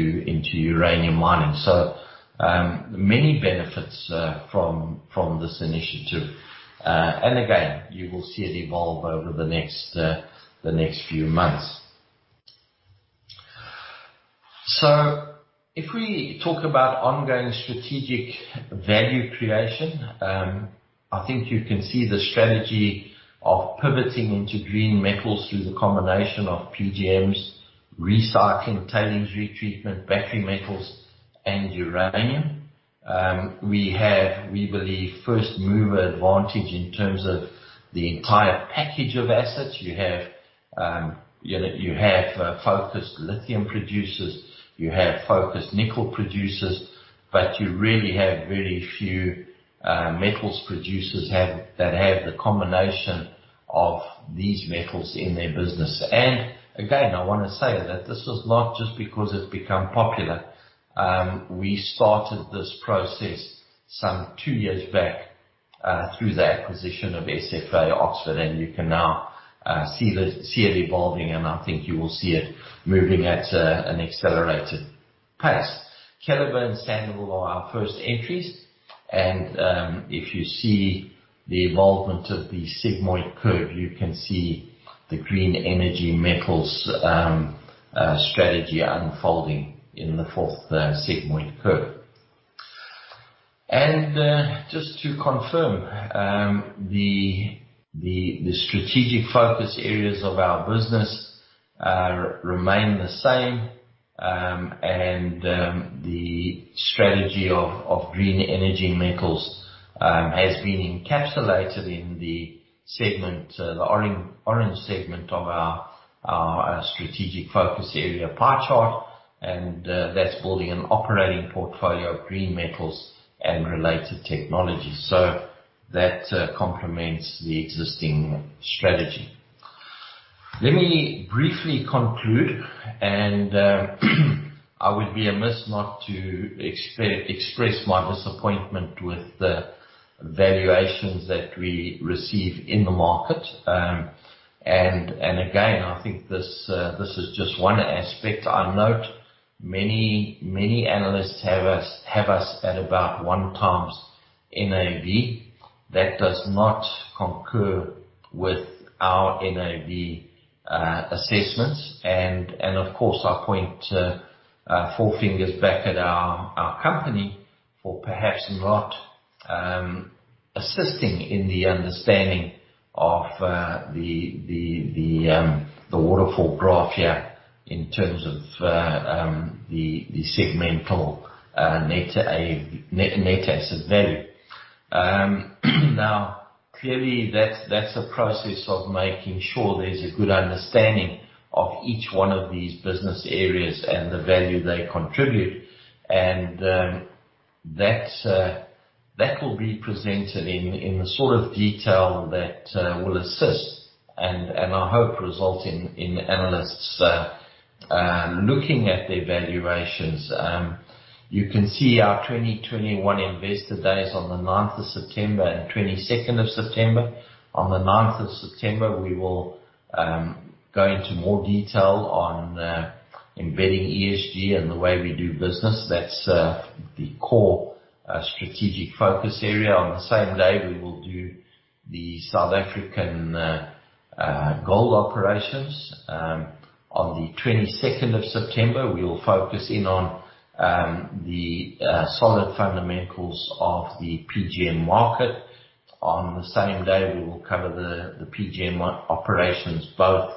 uranium mining. Many benefits from this initiative. Again, you will see it evolve over the next few months. If we talk about ongoing strategic value creation, I think you can see the strategy of pivoting into green metals through the combination of PGMs Recycling, tailings retreatment, battery metals, and uranium. We have, we believe, first-mover advantage in terms of the entire package of assets. You have focused lithium producers, you have focused nickel producers, but you really have very few metals producers that have the combination of these metals in their business. Again, I want to say that this was not just because it's become popular. We started this process some two years back, through the acquisition of SFA (Oxford), you can now see it evolving, I think you will see it moving at an accelerated pace. Keliber and Sandouville are our first entries. If you see the evolvement of the sigmoid curve, you can see the green energy metals strategy unfolding in the fourth sigmoid curve. Just to confirm, the strategic focus areas of our business remain the same. The strategy of green energy metals has been encapsulated in the orange segment of our strategic focus area pie chart. That's building an operating portfolio of green metals and related technologies. That complements the existing strategy. Let me briefly conclude, I would be amiss not to express my disappointment with the valuations that we receive in the market. Again, I think this is just one aspect. I note many analysts have us at about 1x NAV. That does not concur with our NAV assessments. Of course, I point four fingers back at our company for perhaps not assisting in the understanding of the waterfall graph here in terms of the segmental net asset value. Now, clearly that's a process of making sure there's a good understanding of each one of these business areas and the value they contribute. That will be presented in the sort of detail that will assist and I hope result in analysts looking at their valuations. You can see our 2021 Investor Days on the September 9th and of September 22nd. On the September 9th, we will go into more detail on embedding ESG and the way we do business. That's the core strategic focus area. On the same day, we will do the South African gold operations. On the September 22nd, we will focus in on the solid fundamentals of the PGM market. On the same day, we will cover the PGM operations both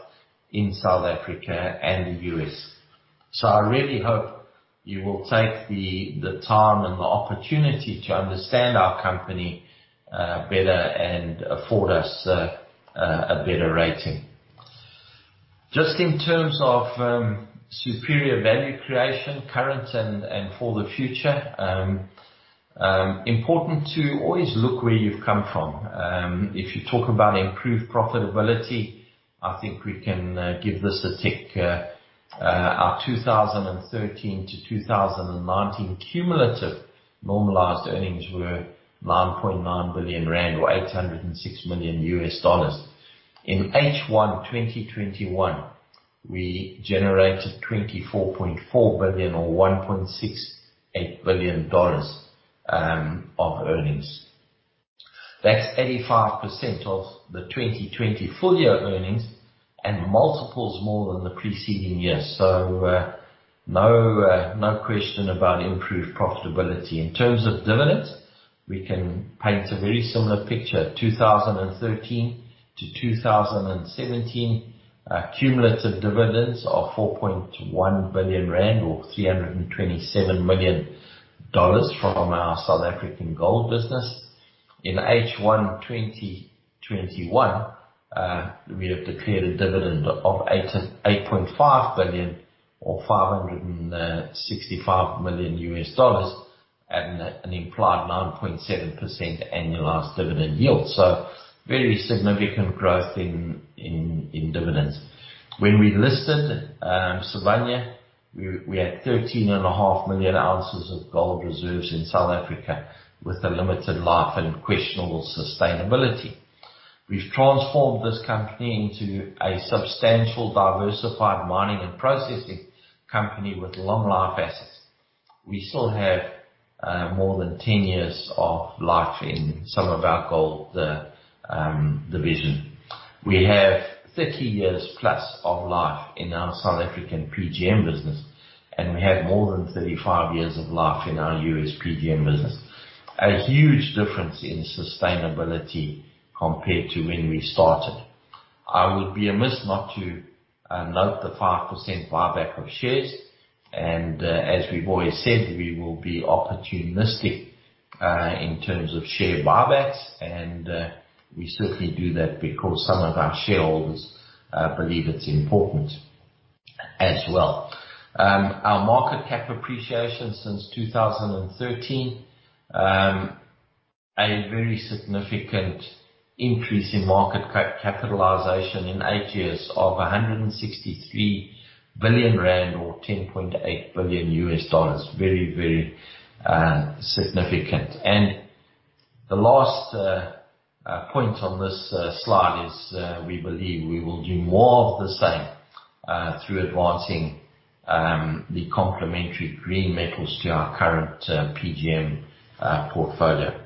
in South Africa and the U.S. I really hope you will take the time and the opportunity to understand our company better and afford us a better rating. Just in terms of superior value creation, current and for the future, important to always look where you've come from. If you talk about improved profitability, I think we can give this a tick. Our 2013 to 2019 cumulative normalized earnings were 9.9 billion rand or $806 million. In H1 2021, we generated 24.4 billion or $1.68 billion of earnings. That's 85% of the 2020 full year earnings and multiples more than the preceding years. No question about improved profitability. In terms of dividends, we can paint a very similar picture. 2013 to 2017, cumulative dividends of 4.1 billion rand or $327 million from our South African gold business. In H1 2021, we have declared a dividend of 8.5 billion or $565 million at an implied 9.7% annualized dividend yield. Very significant growth in dividends. When we listed Sibanye, we had 13.5 million ounces of gold reserves in South Africa with a limited life and questionable sustainability. We've transformed this company into a substantial, diversified mining and processing company with long life assets. We still have more than 10 years of life in some of our gold division. We have 50+ years of life in our South African PGM business. We have more than 35 years of life in our U.S. PGM business. A huge difference in sustainability compared to when we started. I would be amiss not to note the 5% buyback of shares and, as we've always said, we will be opportunistic in terms of share buybacks. We certainly do that because some of our shareholders believe it's important as well. Our market cap appreciation since 2013, a very significant increase in market capitalization in eight years of 163 billion rand or $10.8 billion. Very significant. The last point on this slide is we believe we will do more of the same through advancing the complementary green metals to our current PGM portfolio.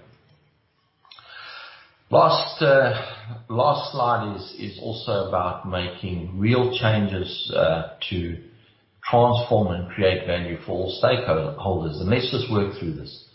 Last slide is also about making real changes to transform and create value for all stakeholders. Let's just work through this.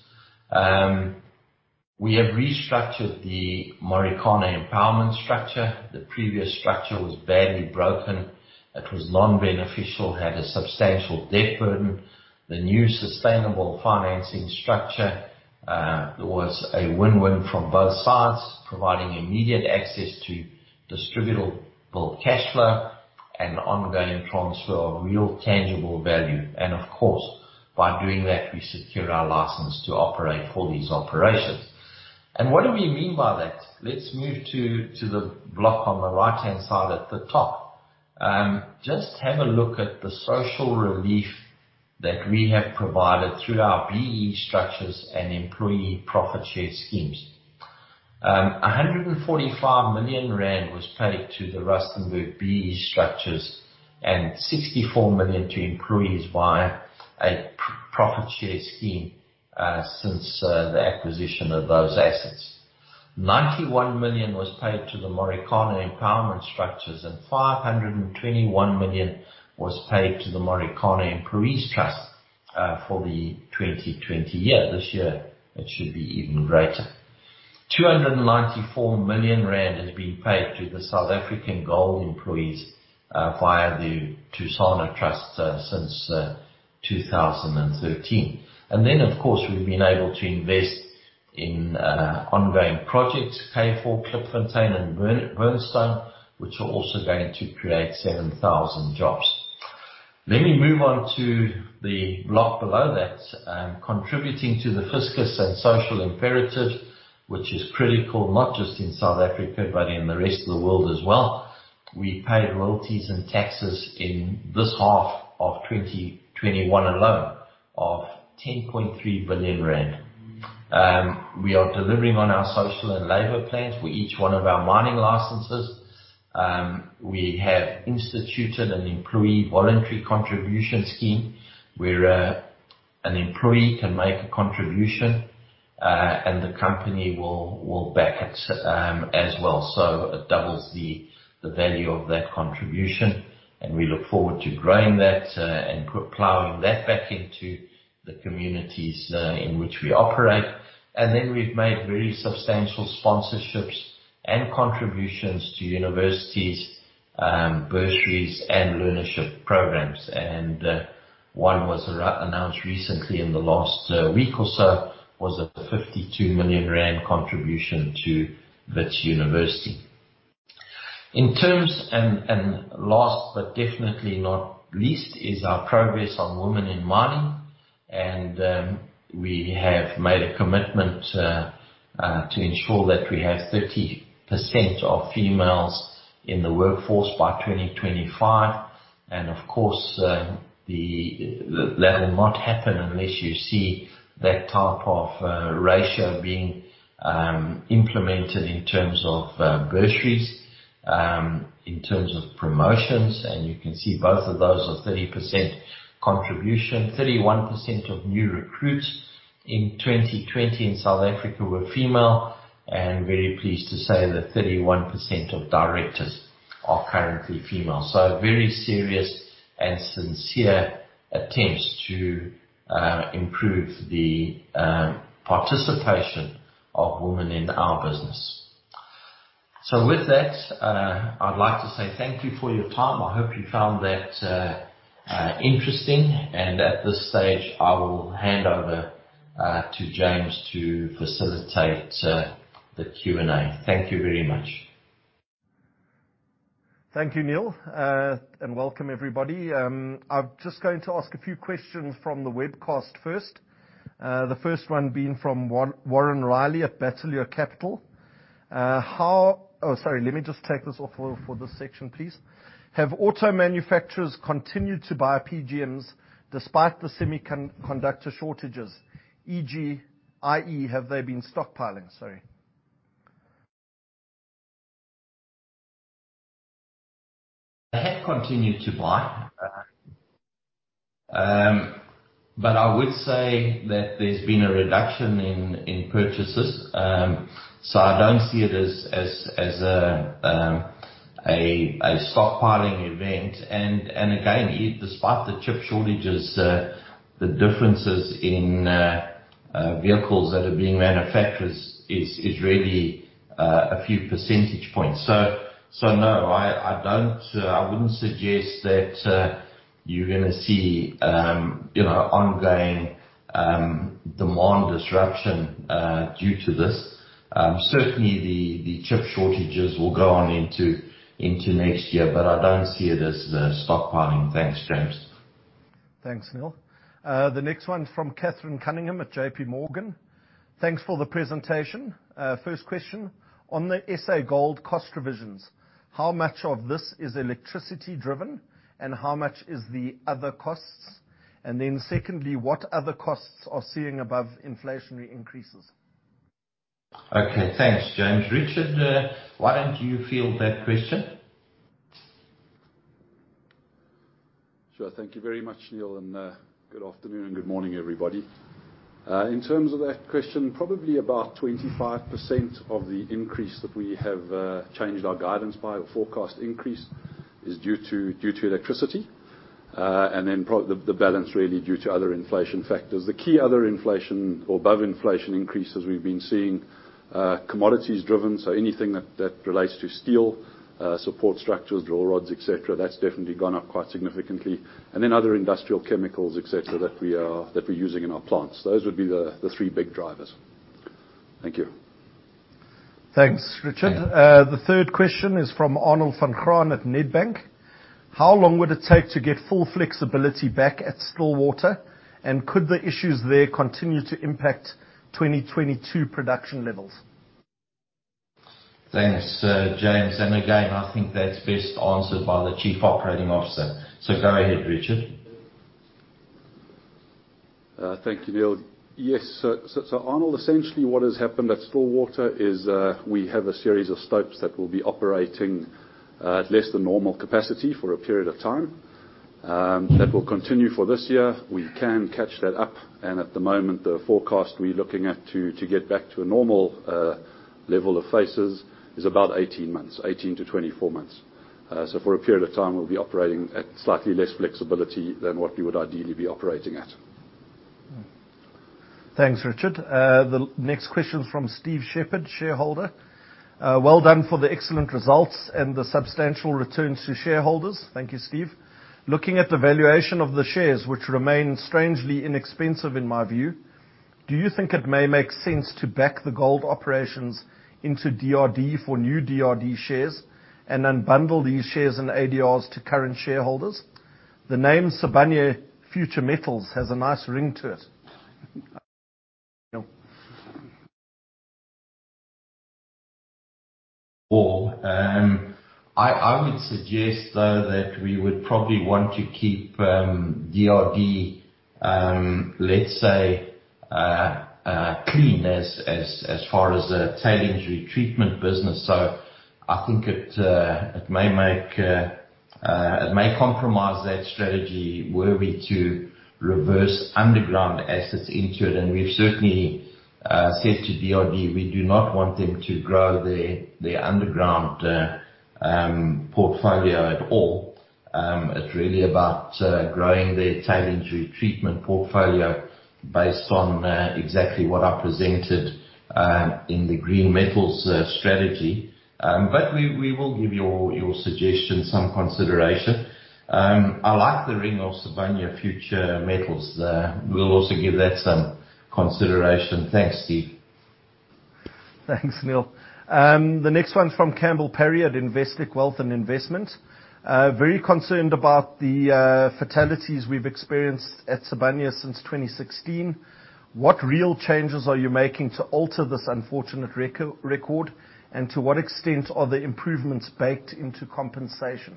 We have restructured the Marikana empowerment structure. The previous structure was badly broken. It was non-beneficial, had a substantial debt burden. The new sustainable financing structure was a win-win from both sides, providing immediate access to distributable cash flow and ongoing transfer of real, tangible value. Of course, by doing that, we secure our license to operate all these operations. What do we mean by that? Let's move to the block on the right-hand side at the top. Just have a look at the social relief that we have provided through our BEE structures and employee profit share schemes. 145 million rand was paid to the Rustenburg BEE structures and 64 million to employees via a profit share scheme since the acquisition of those assets. 91 million was paid to the Marikana empowerment structures and 521 million was paid to the Marikana Employees Trust for the 2020. This year it should be even greater. 294 million rand has been paid to the South African gold employees via the Thusano Trust since 2013. Of course, we've been able to invest in ongoing projects, K4, Klipfontein, and Burnstone, which are also going to create 7,000 jobs. Let me move on to the block below that. Contributing to the fiscus and social imperative, which is critical not just in South Africa but in the rest of the world as well. We paid royalties and taxes in this half of 2021 alone of 10.3 billion rand. We are delivering on our social and labor plans for each one of our mining licenses. We have instituted an employee voluntary contribution scheme where an employee can make a contribution, and the company will back it as well. It doubles the value of that contribution, and we look forward to growing that and plowing that back into the communities in which we operate. We've made very substantial sponsorships and contributions to universities, bursaries, and learnership programs. One was announced recently in the last week or so, was a 52 million rand contribution to Wits University. Last but definitely not least, is our progress on women in mining. We have made a commitment to ensure that we have 50% of females in the workforce by 2025. Of course, that will not happen unless you see that type of ratio being implemented in terms of bursaries, in terms of promotions, you can see both of those are 30% contribution. 31% of new recruits in 2020 in South Africa were female. Very pleased to say that 31% of directors are currently female. Very serious and sincere attempts to improve the participation of women in our business. With that, I'd like to say thank you for your time. I hope you found that interesting. At this stage, I will hand over to James to facilitate the Q&A. Thank you very much. Thank you, Neal. Welcome, everybody. I'm just going to ask a few questions from the webcast first. The first one being from Warren Riley at Bateleur Capital. Sorry, let me just take this off for this section, please. Have auto manufacturers continued to buy PGMs despite the semiconductor shortages, e.g./i.e., have they been stockpiling? Sorry. They have continued to buy. I would say that there's been a reduction in purchases. I don't see it as a stockpiling event. Again, despite the chip shortages, the differences in vehicles that are being manufactured is really a few percentage points. No, I wouldn't suggest that you're going to see ongoing demand disruption due to this. Certainly, the chip shortages will go on into next year, but I don't see it as stockpiling. Thanks, James. Thanks, Neal. The next one's from Catherine Cunningham at JPMorgan. Thanks for the presentation. First question, on the SA Gold cost revisions, how much of this is electricity driven, and how much is the other costs? Secondly, what other costs are seeing above inflationary increases? Okay. Thanks, James. Richard, why don't you field that question? Sure. Thank you very much, Neal, and good afternoon and good morning, everybody. In terms of that question, probably about 25% of the increase that we have changed our guidance by or forecast increase is due to electricity. The balance really due to other inflation factors. The key other inflation or above inflation increases we've been seeing, commodities driven, so anything that relates to steel, support structures, draw rods, et cetera, that's definitely gone up quite significantly. Other industrial chemicals, et cetera, that we're using in our plants. Those would be the three big drivers. Thank you. Thanks, Richard. Yeah. The third question is from Arnold van Graan at Nedbank. How long would it take to get full flexibility back at Stillwater? Could the issues there continue to impact 2022 production levels? Thanks, James. Again, I think that's best answered by the Chief Operating Officer. Go ahead, Richard. Thank you, Neal. Yes. Arnold, essentially what has happened at Stillwater is, we have a series of stopes that will be operating at less than normal capacity for a period of time. That will continue for this year. We can catch that up, and at the moment, the forecast we're looking at to get back to a normal level of faces is about 18 months, 18-24 months. For a period of time, we'll be operating at slightly less flexibility than what we would ideally be operating at. Thanks, Richard. The next question's from Steve Shepherd, shareholder. Well done for the excellent results and the substantial returns to shareholders. Thank you, Steve. Looking at the valuation of the shares, which remain strangely inexpensive in my view, do you think it may make sense to back the gold operations into DRD for new DRD shares and then bundle these shares and ADRs to current shareholders? The name Sibanye Future Metals has a nice ring to it. I would suggest, though, that we would probably want to keep DRD, let's say, clean as far as a tailings retreatment business. I think it may compromise that strategy were we to reverse underground assets into it, and we've certainly said to DRD we do not want them to grow their underground portfolio at all. It's really about growing their tailings retreatment portfolio based on exactly what I presented in the Green Metals Strategy. We will give your suggestion some consideration. I like the ring of Sibanye Future Metals there. We'll also give that some consideration. Thanks, Steve. Thanks, Neal. The next one's from Campbell Parry at Investec Wealth & Investment. Very concerned about the fatalities we've experienced at Sibanye since 2016. What real changes are you making to alter this unfortunate record? To what extent are the improvements baked into compensation?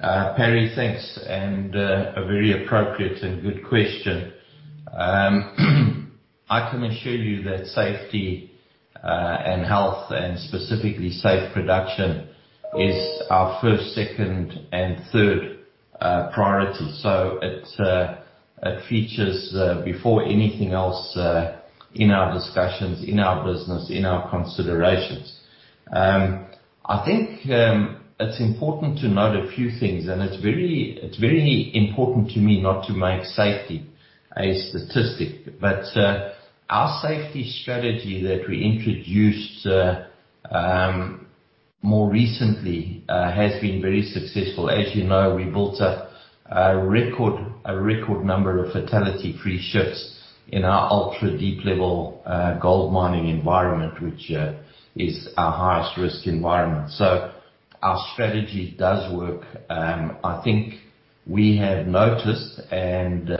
Parry, thanks, and a very appropriate and good question. I can assure you that safety and health, and specifically safe production is our first, second, and third priority. It features before anything else in our discussions, in our business, in our considerations. I think it's important to note a few things, and it's very important to me not to make safety a statistic. Our safety strategy that we introduced more recently, has been very successful. As you know, we built a record number of fatality-free shifts in our ultra-deep level gold mining environment, which is our highest risk environment. Our strategy does work. I think we have noticed, and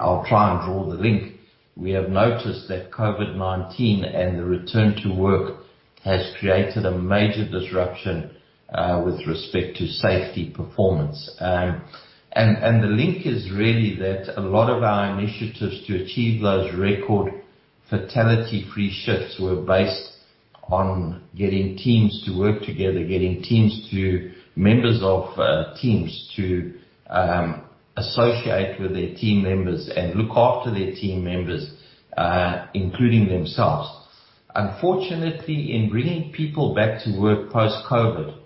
I'll try and draw the link. We have noticed that COVID-19 and the return to work has created a major disruption with respect to safety performance. The link is really that a lot of our initiatives to achieve those record fatality-free shifts were based on getting teams to work together, getting members of teams to associate with their team members and look after their team members, including themselves. Unfortunately, in bringing people back to work post-COVID,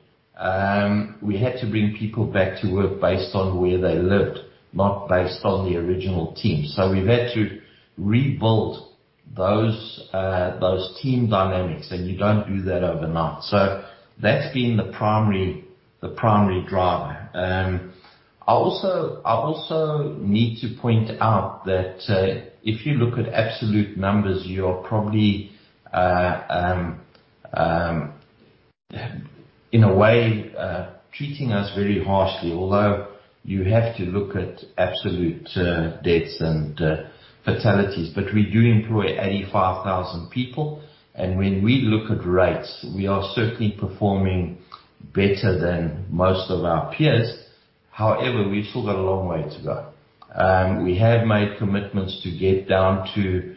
we had to bring people back to work based on where they lived, not based on the original team. We've had to rebuild those team dynamics, and you don't do that overnight. That's been the primary driver. I also need to point out that if you look at absolute numbers, you are probably, in a way, treating us very harshly, although you have to look at absolute deaths and fatalities. We do employ 85,000 people, and when we look at rates, we are certainly performing better than most of our peers. We've still got a long way to go. We have made commitments to get down to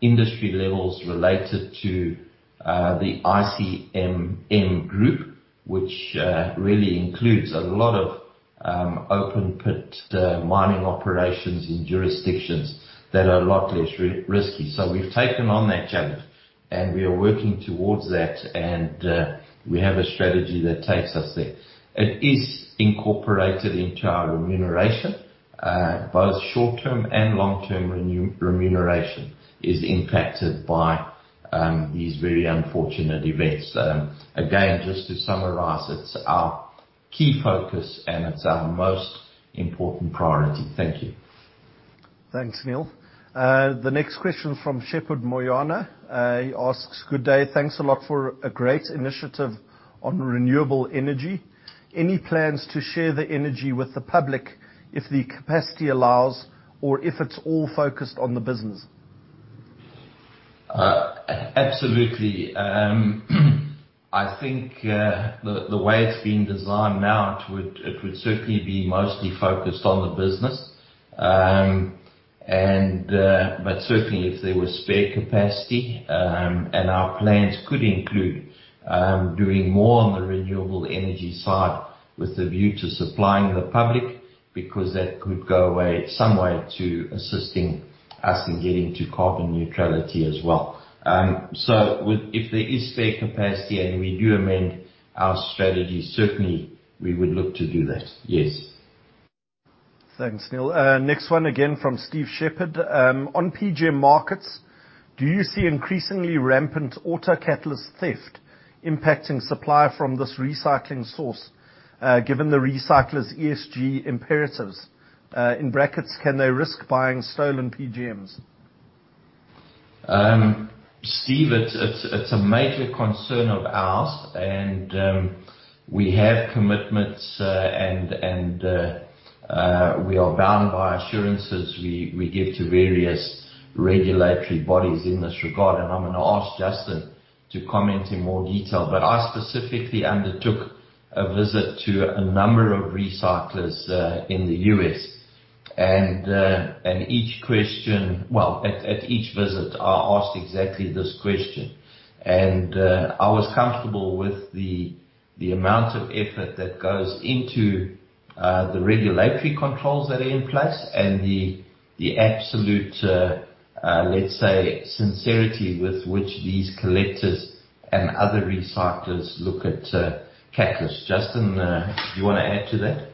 industry levels related to the ICMM group, which really includes a lot of open pit mining operations in jurisdictions that are a lot less risky. We've taken on that challenge, and we are working towards that, and we have a strategy that takes us there. It is incorporated into our remuneration. Both short-term and long-term remuneration is impacted by these very unfortunate events. Again, just to summarize, it's our key focus and it's our most important priority. Thank you. Thanks, Neal. The next question from Shepherd Moyona. He asks, "Good day. Thanks a lot for a great initiative on renewable energy. Any plans to share the energy with the public if the capacity allows, or if it's all focused on the business? Absolutely. I think the way it's been designed now, it would certainly be mostly focused on the business. Certainly, if there was spare capacity, our plans could include doing more on the renewable energy side with a view to supplying the public, because that could go some way to assisting us in getting to carbon neutrality as well. If there is spare capacity and we do amend our strategy, certainly we would look to do that. Yes. Thanks, Neal. Next one again from Steve Shepherd. "On PGM markets, do you see increasingly rampant autocatalyst theft impacting supply from this recycling source, given the recycler's ESG imperatives? In brackets, can they risk buying stolen PGMs? Steve, it's a major concern of ours and we have commitments and we are bound by assurances we give to various regulatory bodies in this regard. I'm going to ask Justin to comment in more detail. I specifically undertook a visit to a number of recyclers in the U.S., and at each visit, I asked exactly this question. I was comfortable with the amount of effort that goes into the regulatory controls that are in place and the absolute, let's say, sincerity with which these collectors and other recyclers look at catalysts. Justin, do you want to add to that?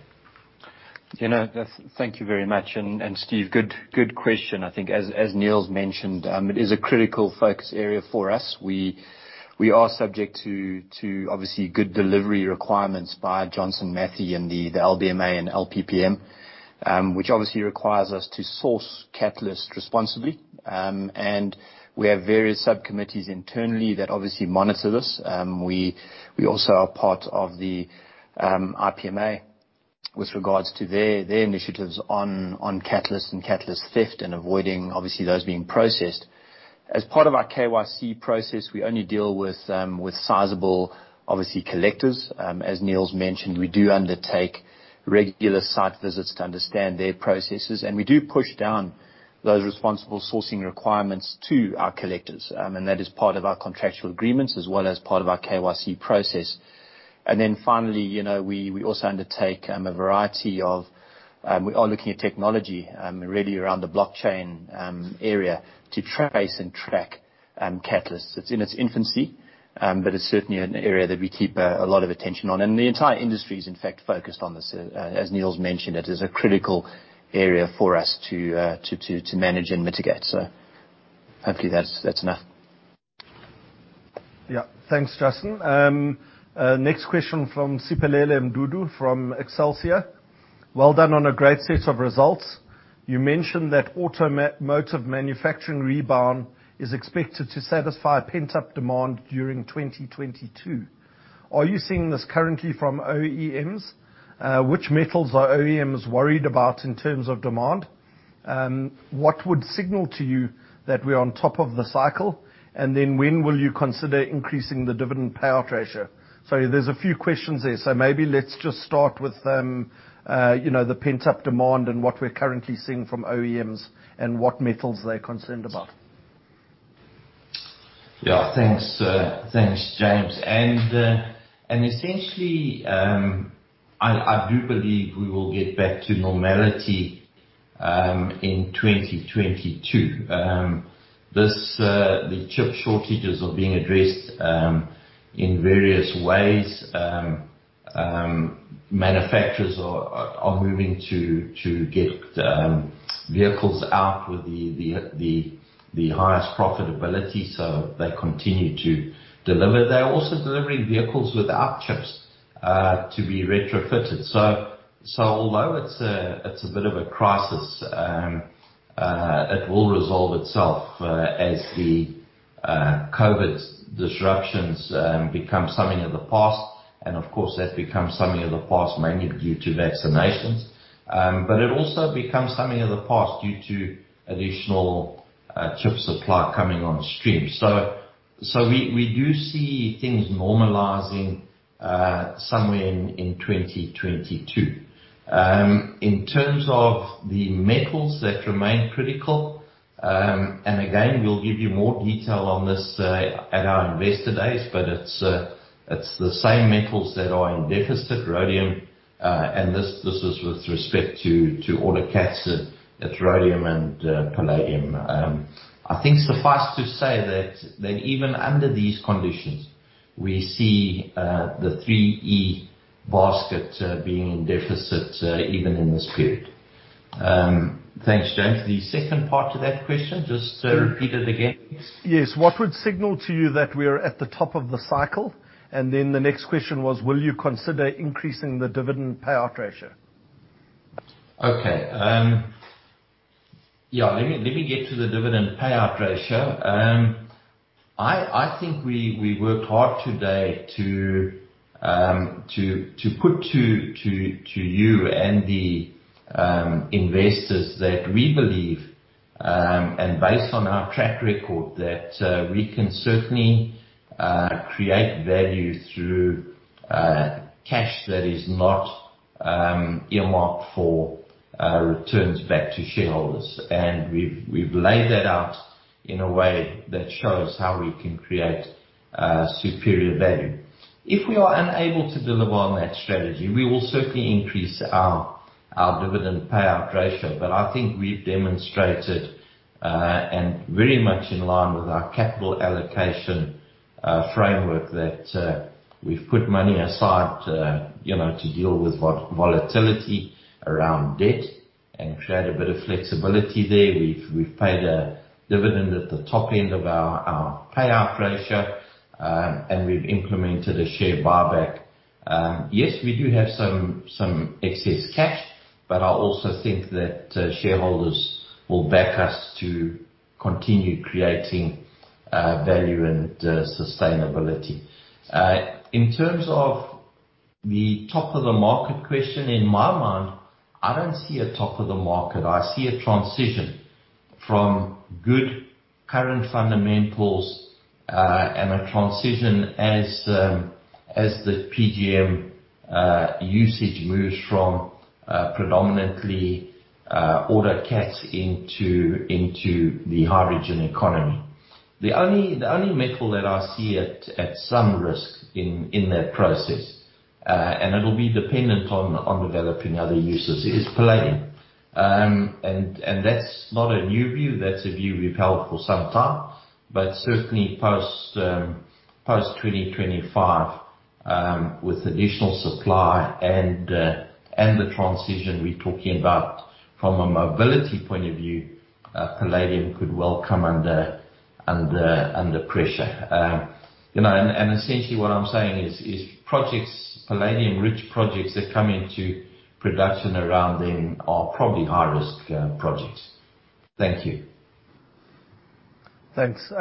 Thank you very much. Steve, good question. I think as Neal's mentioned, it is a critical focus area for us. We are subject to, obviously, good delivery requirements by Johnson Matthey and the LBMA and LPPM, which obviously requires us to source catalysts responsibly. We have various sub-committees internally that obviously monitor this. We also are part of the IPMI with regards to their initiatives on catalysts and catalyst theft and avoiding, obviously, those being processed. As part of our KYC process, we only deal with sizable collectors. As Neal's mentioned, we do undertake regular site visits to understand their processes, and we do push down those responsible sourcing requirements to our collectors. That is part of our contractual agreements as well as part of our KYC process. Finally, We are looking at technology, really around the blockchain area to trace and track catalysts. It's in its infancy, but it's certainly an area that we keep a lot of attention on. The entire industry is, in fact, focused on this. As Neal's mentioned, it is a critical area for us to manage and mitigate. Hopefully that's enough. Thanks, Justin. Next question from Siphelele Mdudu from Excelsior. "Well done on a great set of results. You mentioned that automotive manufacturing rebound is expected to satisfy pent-up demand during 2022. Are you seeing this currently from OEMs? Which metals are OEMs worried about in terms of demand? What would signal to you that we're on top of the cycle? When will you consider increasing the dividend payout ratio?" There's a few questions there. Maybe let's just start with the pent-up demand and what we're currently seeing from OEMs and what metals they're concerned about. Yeah, thanks, James. Essentially, I do believe we will get back to normality in 2022. The chip shortages are being addressed in various ways. Manufacturers are moving to get vehicles out with the highest profitability, so they continue to deliver. They're also delivering vehicles without chips to be retrofitted. Although it's a bit of a crisis, it will resolve itself as the COVID disruptions become something of the past. Of course, that becomes something of the past mainly due to vaccinations. It also becomes something of the past due to additional chip supply coming on stream. We do see things normalizing somewhere in 2022. In terms of the metals that remain critical, and again, we'll give you more detail on this at our Investor Days, but it's the same metals that are in deficit, rhodium, and this is with respect to autocats, it's rhodium and palladium. I think suffice to say that even under these conditions, we see the 3E basket being in deficit even in this period. Thanks, James. The second part to that question, just repeat it again. Yes. What would signal to you that we're at the top of the cycle? The next question was, will you consider increasing the dividend payout ratio? Okay. Yeah, let me get to the dividend payout ratio. I think we work hard today to put to you and the investors that we believe, and based on our track record, that we can certainly create value through cash that is not earmarked for returns back to shareholders. We've laid that out in a way that shows how we can create superior value. If we are unable to deliver on that strategy, we will certainly increase our dividend payout ratio. I think we've demonstrated, and very much in line with our capital allocation framework, that we've put money aside to deal with volatility around debt and create a bit of flexibility there. We've paid a dividend at the top end of our payout ratio, and we've implemented a share buyback. Yes, we do have some excess cash, but I also think that shareholders will back us to continue creating value and sustainability. In terms of the top of the market question, in my mind, I don't see a top of the market. I see a transition from good current fundamentals and a transition as the PGM usage moves from predominantly autocats into the hydrogen economy. The only metal that I see at some risk in that process, and it'll be dependent on developing other uses, is palladium. That's not a new view, that's a view we've held for some time. Certainly post 2025, with additional supply and the transition we're talking about from a mobility point of view, palladium could well come under pressure. Essentially what I'm saying is projects, palladium-rich projects that come into production around then are probably high-risk projects. Thank you. Thanks.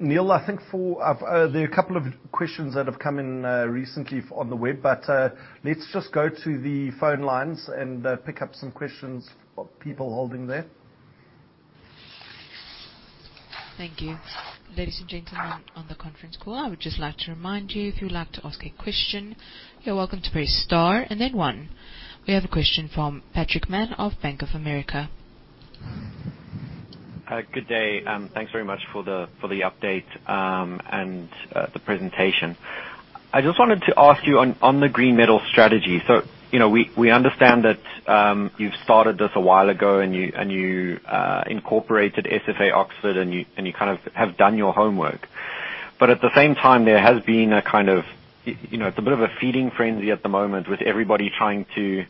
Neal, I think there are a couple of questions that have come in recently on the web, let's just go to the phone lines and pick up some questions for people holding there. Thank you. Ladies and gentlemen on the conference call, I would just like to remind you, if you'd like to ask a question, you're welcome to press star and then one. We have a question from Patrick Mann of Bank of America. Good day. Thanks very much for the update, and the presentation. I just wanted to ask you on the green metal strategy. We understand that you've started this a while ago and you kind of have done your homework. At the same time, there has been a bit of a feeding frenzy at the moment with everybody trying to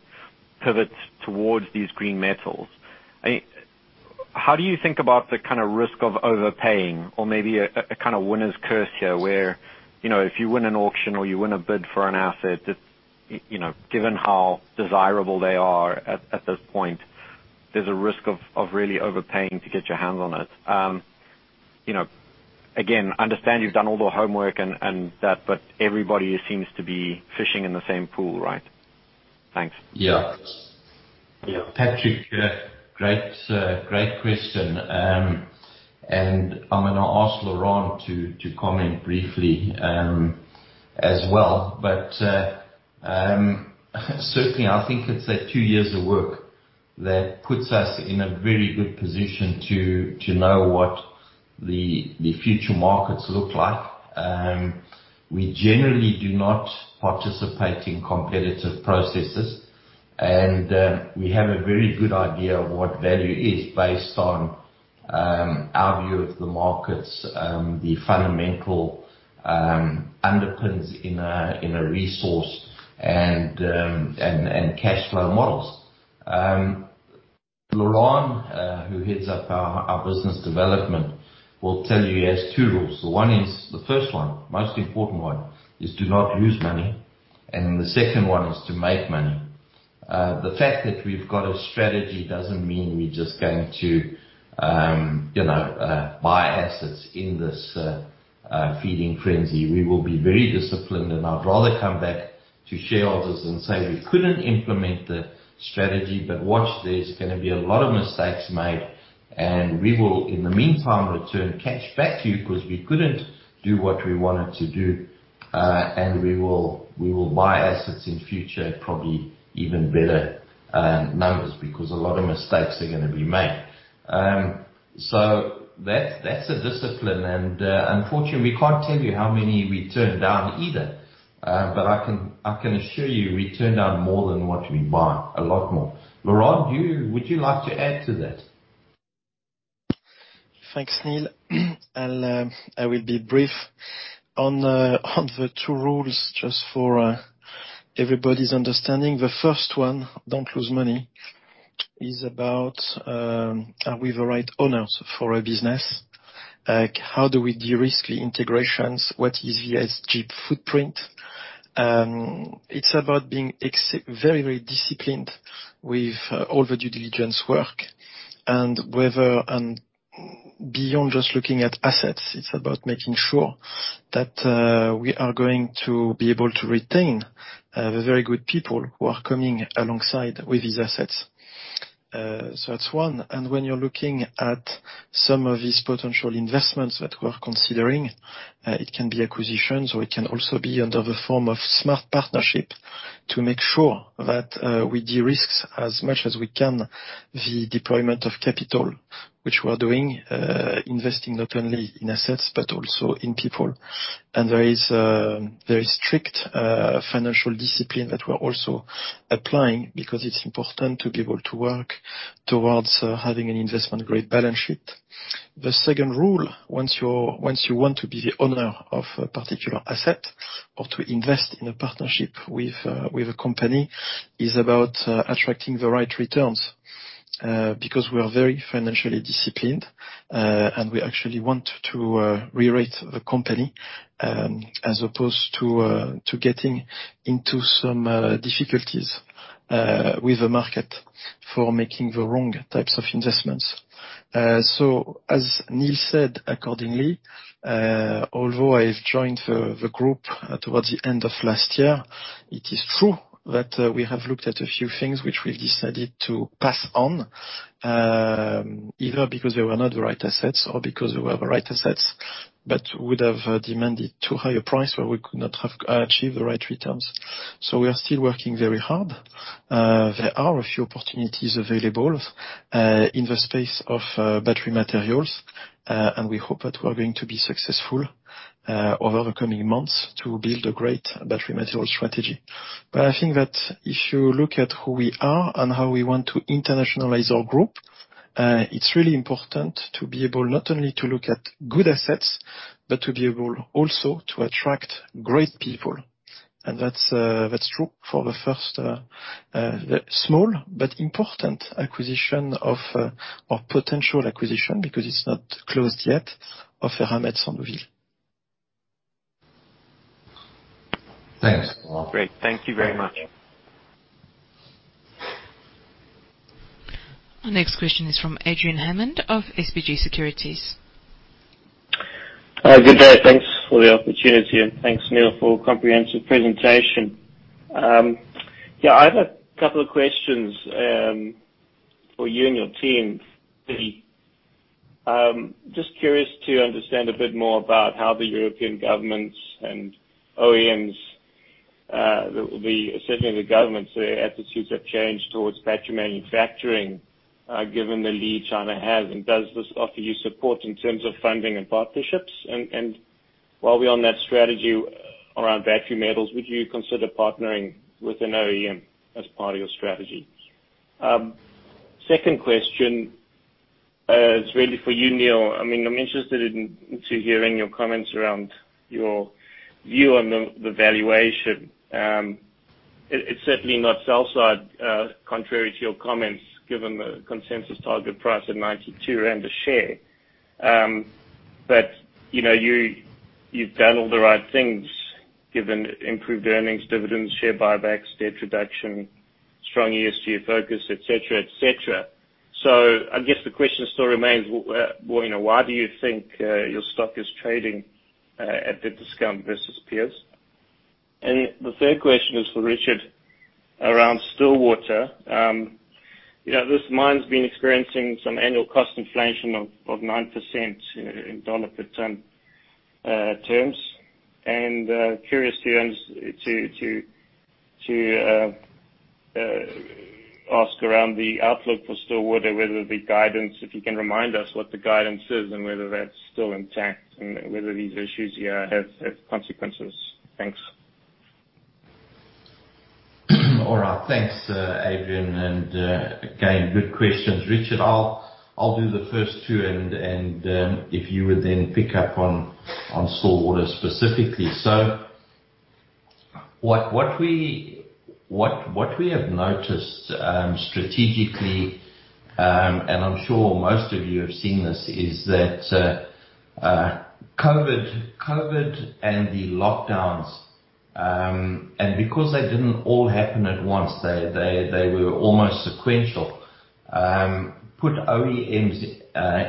pivot towards these green metals. How do you think about the risk of overpaying or maybe a kind of winner's curse here where if you win an auction or you win a bid for an asset, given how desirable they are at this point, there's a risk of really overpaying to get your hands on it. Again, understand you've done all the homework and that, but everybody seems to be fishing in the same pool, right? Thanks. Yeah. Patrick, great question. I'm gonna ask Laurent to comment briefly as well. Certainly, I think it's that two years of work that puts us in a very good position to know what the future markets look like. We generally do not participate in competitive processes, and we have a very good idea of what value is based on our view of the markets, the fundamental underpins in a resource, and cash flow models. Laurent, who heads up our business development, will tell you he has two rules. The first one, most important one, is do not lose money, and the second one is to make money. The fact that we've got a strategy doesn't mean we're just going to buy assets in this feeding frenzy. We will be very disciplined. I'd rather come back to shareholders and say we couldn't implement the strategy, but watch this, there's going to be a lot of mistakes made. We will, in the meantime, return cash back to you because we couldn't do what we wanted to do. We will buy assets in future, probably even better numbers, because a lot of mistakes are going to be made. That's a discipline, and unfortunately, we can't tell you how many we turn down either. I can assure you we turn down more than what we buy, a lot more. Laurent, would you like to add to that? Thanks, Neal. I will be brief on the two rules just for everybody's understanding. The first one, don't lose money, is about are we the right owners for a business? How do we de-risk the integrations? What is the ESG footprint? It's about being very disciplined with all the due diligence work and beyond just looking at assets, it's about making sure that we are going to be able to retain the very good people who are coming alongside with these assets. That's one. When you're looking at some of these potential investments that we're considering, it can be acquisitions, or it can also be under the form of smart partnership to make sure that we de-risk as much as we can, the deployment of capital, which we are doing, investing not only in assets but also in people. There is strict financial discipline that we're also applying because it's important to be able to work towards having an investment-grade balance sheet. The second rule, once you want to be the owner of a particular asset or to invest in a partnership with a company, is about attracting the right returns, because we are very financially disciplined, and we actually want to rewrite the company, as opposed to getting into some difficulties with the market for making the wrong types of investments. As Neal said, accordingly, although I joined the group towards the end of last year, it is true that we have looked at a few things which we've decided to pass on, either because they were not the right assets or because they were the right assets, but would have demanded too high a price where we could not have achieved the right returns. We are still working very hard. There are a few opportunities available in the space of battery materials, and we hope that we are going to be successful over the coming months to build a great battery material strategy. I think that if you look at who we are and how we want to internationalize our group, it's really important to be able not only to look at good assets, but to be able also to attract great people. That's true for the first small but important acquisition of potential acquisition because it's not closed yet of Eramet Sandouville. Thanks, Laurent. Great. Thank you very much. Our next question is from Adrian Hammond of SBG Securities. Good day. Thanks for the opportunity. Thanks, Neal, for a comprehensive presentation. I have a couple of questions for you and your team. Just curious to understand a bit more about how the European governments and OEMs, certainly the government, their attitudes have changed towards battery manufacturing, given the lead China has. Does this offer you support in terms of funding and partnerships? While we're on that strategy around battery metals, would you consider partnering with an OEM as part of your strategy? Second question is really for you, Neal. I'm interested in hearing your comments around your view on the valuation. It's certainly not sell-side, contrary to your comments, given the consensus target price of 92 rand a share. You've done all the right things, given improved earnings, dividends, share buybacks, debt reduction, strong ESG focus, et cetera. I guess the question still remains, why do you think your stock is trading at a discount versus peers? The third question is for Richard around Stillwater. This mine's been experiencing some annual cost inflation of 9% in dollar per ton-terms. Curious to ask around the outlook for Stillwater, whether the guidance, if you can remind us what the guidance is and whether that's still intact and whether these issues here have consequences. Thanks. All right. Thanks, Adrian. Again, good questions. Richard, I'll do the first two and if you would then pick up on Stillwater specifically. What we have noticed strategically, and I'm sure most of you have seen this, is that COVID-19 and the lockdowns, and because they didn't all happen at once they were almost sequential, put OEMs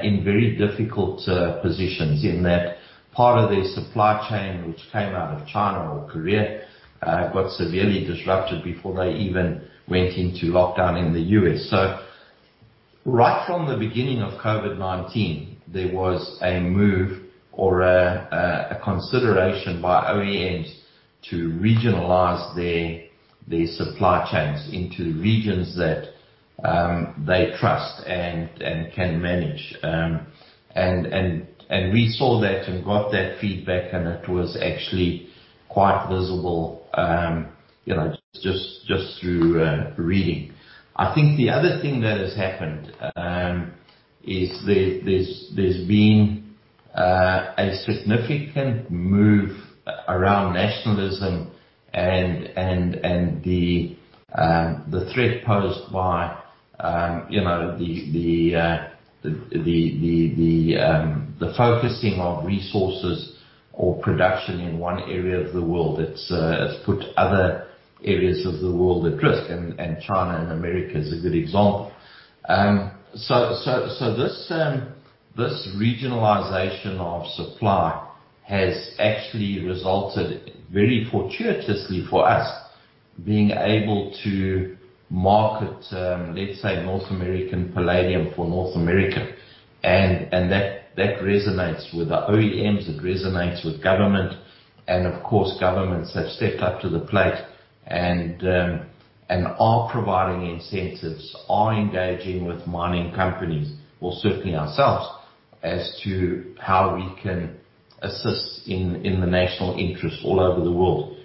in very difficult positions in that part of their supply chain, which came out of China or Korea, got severely disrupted before they even went into lockdown in the U.S. Right from the beginning of COVID-19, there was a move or a consideration by OEMs to regionalize their supply chains into regions that they trust and can manage. We saw that and got that feedback, and it was actually quite visible just through reading. I think the other thing that has happened is there's been a significant move around nationalism and the threat posed by the focusing of resources or production in one area of the world. It has put other areas of the world at risk. China and America is a good example. This regionalization of supply has actually resulted very fortuitously for us being able to market, let's say, North American palladium for North America. That resonates with our OEMs, it resonates with government. Of course, governments have stepped up to the plate and are providing incentives, are engaging with mining companies or certainly ourselves as to how we can assist in the national interest all over the world.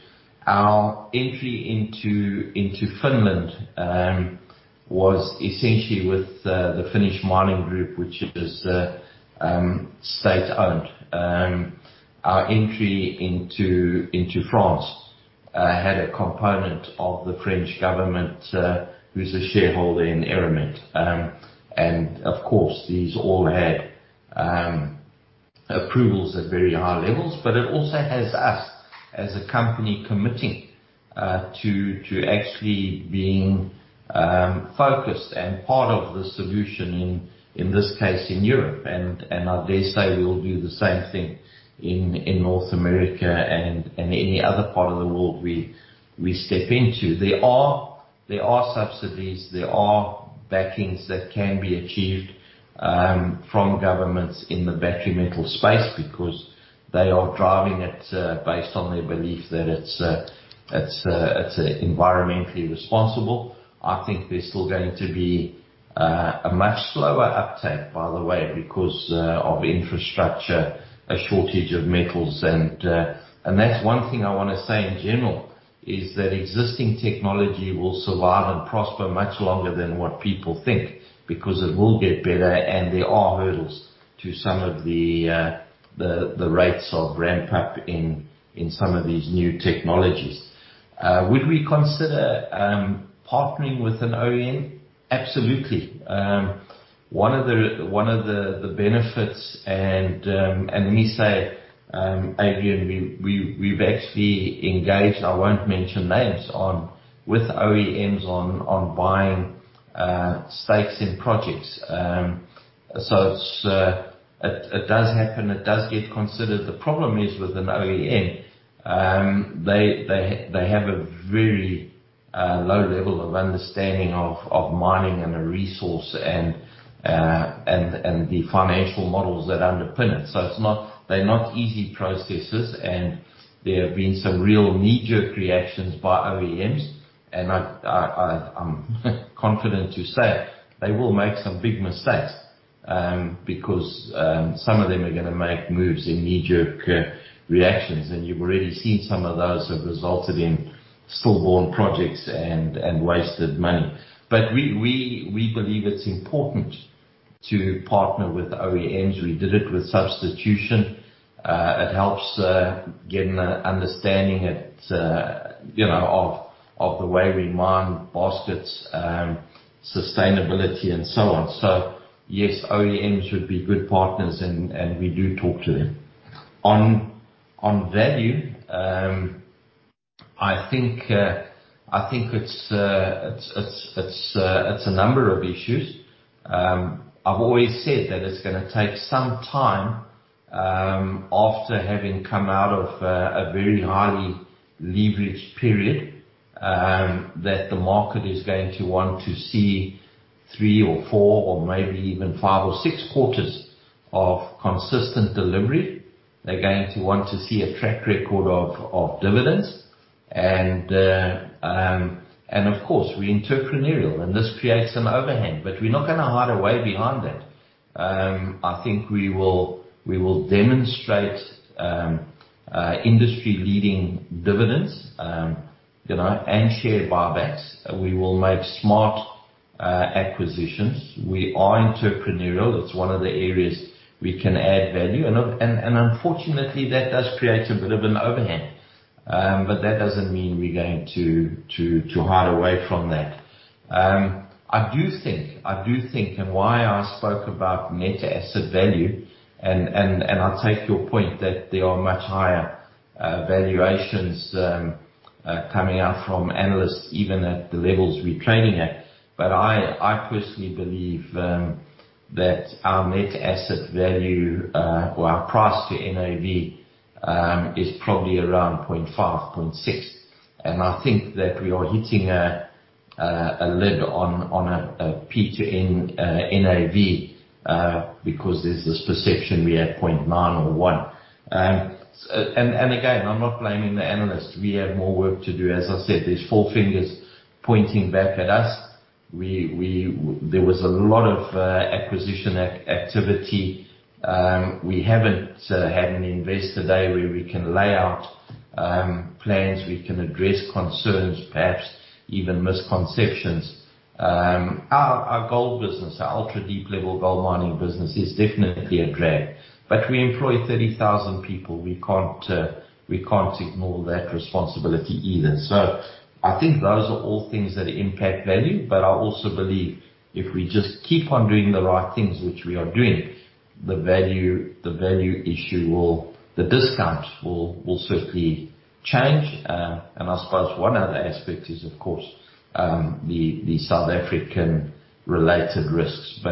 Our entry into Finland was essentially with the Finnish Mining Group, which is state-owned. Our entry into France had a component of the French government who's a shareholder in Eramet. Of course, these all had approvals at very high levels. It also has us as a company committing to actually being focused and part of the solution in this case in Europe. I dare say we will do the same thing in North America and any other part of the world we step into. There are subsidies, there are backings that can be achieved from governments in the battery metal space because they are driving it based on their belief that it's environmentally responsible. I think there's still going to be a much slower uptake, by the way, because of infrastructure, a shortage of metals. That's one thing I want to say in general, is that existing technology will survive and prosper much longer than what people think because it will get better and there are hurdles to some of the rates of ramp-up in some of these new technologies. Would we consider partnering with an OEM? Absolutely. One of the benefits, let me say, Adrian, we've actually engaged, I won't mention names, with OEMs on buying stakes in projects. It does happen. It does get considered. The problem is with an OEM, they have a very low level of understanding of mining and the resource and the financial models that underpin it. They're not easy processes, and there have been some real knee-jerk reactions by OEMs. I'm confident to say they will make some big mistakes, because some of them are gonna make moves in knee-jerk reactions, and you've already seen some of those have resulted in stillborn projects and wasted money. We believe it's important to partner with OEMs. We did it with substitution. It helps get an understanding of the way we mine baskets, sustainability and so on. Yes, OEMs should be good partners and we do talk to them. On value, I think it's a number of issues. I've always said that it's gonna take some time after having come out of a very highly leveraged period that the market is going to want to see three or four, or maybe even five or six quarters of consistent delivery. They're going to want to see a track record of dividends. Of course, we're entrepreneurial, and this creates some overhang, but we're not going to hide away behind that. I think we will demonstrate industry-leading dividends and share buybacks. We will make smart acquisitions. We are entrepreneurial. That's one of the areas we can add value. Unfortunately, that does create a bit of an overhang. That doesn't mean we're going to hide away from that. I do think, why I spoke about NAV, and I take your point that there are much higher valuations coming out from analysts, even at the levels we're trading at. I personally believe that our NAV or our price to NAV is probably around 0.5, 0.6. I think that we are hitting a lid on a P/NAV because there's this perception we had 0.9 or 1. Again, I'm not blaming the analysts. We have more work to do. As I said, there's four fingers pointing back at us. There was a lot of acquisition activity. We haven't had an Investor Day where we can lay out plans, we can address concerns, perhaps even misconceptions. Our gold business, our ultra-deep-level gold mining business is definitely a drag. We employ 30,000 people. We can't ignore that responsibility either. I think those are all things that impact value. I also believe if we just keep on doing the right things, which we are doing, the value issue, the discounts will certainly change. I suppose one other aspect is, of course, the South African-related risks.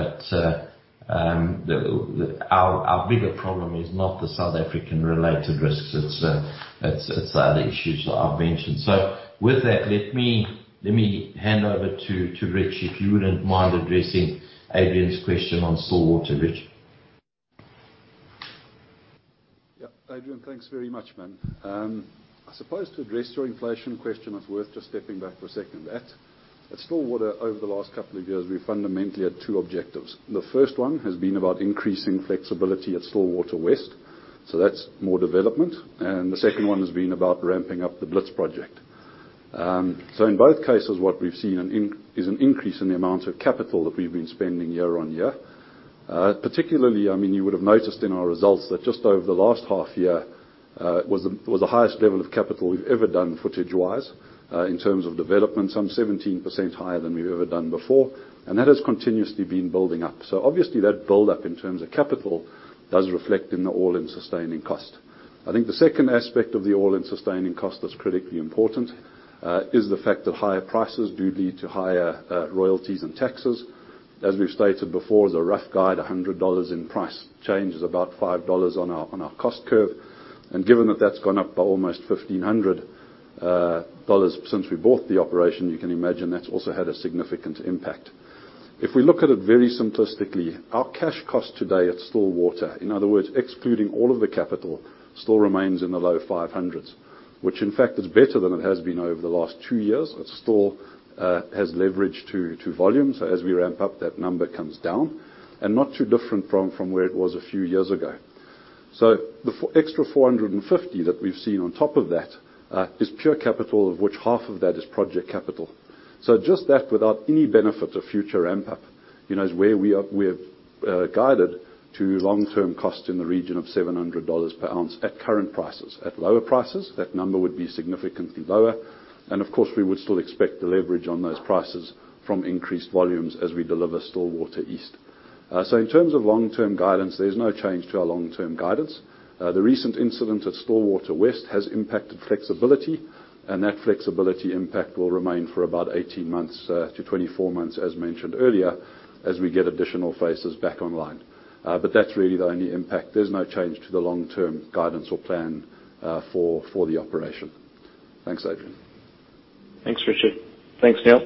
Our bigger problem is not the South African-related risks, it's the other issues that I've mentioned. With that, let me hand over to Richard, if you wouldn't mind addressing Adrian's question on Stillwater, Rich. Adrian, thanks very much, man. I suppose to address your inflation question, it's worth just stepping back for a second there. At Stillwater, over the last couple of years, we fundamentally had two objectives. The first one has been about increasing flexibility at Stillwater West. That's more development. The second one has been about ramping up the Blitz project. In both cases, what we've seen is an increase in the amount of capital that we've been spending year on year. Particularly, you would have noticed in our results that just over the last half year was the highest level of capital we've ever done footage-wise in terms of development, some 17% higher than we've ever done before, and that has continuously been building up. Obviously, that buildup in terms of capital does reflect in the all-in sustaining cost. I think the second aspect of the all-in sustaining cost that's critically important is the fact that higher prices do lead to higher royalties and taxes. As we've stated before, the rough guide, $100 in price change is about $5 on our cost curve. Given that that's gone up by almost $1,500 since we bought the operation, you can imagine that's also had a significant impact. If we look at it very simplistically, our cash cost today at Stillwater, in other words, excluding all of the capital, still remains in the low $500s. Which in fact is better than it has been over the last two years. It still has leverage to volume. As we ramp up, that number comes down. Not too different from where it was a few years ago. The extra $450 that we've seen on top of that is pure capital, of which half of that is project capital. Just that without any benefit of future ramp-up, is where we have guided to long-term cost in the region of $700 per ounce at current prices. At lower prices, that number would be significantly lower. Of course, we would still expect the leverage on those prices from increased volumes as we deliver Stillwater East. In terms of long-term guidance, there's no change to our long-term guidance. The recent incident at Stillwater West has impacted flexibility, and that flexibility impact will remain for about 18 months to 24 months, as mentioned earlier, as we get additional faces back online. That's really the only impact. There's no change to the long-term guidance or plan for the operation. Thanks, Adrian. Thanks, Richard. Thanks, Neal.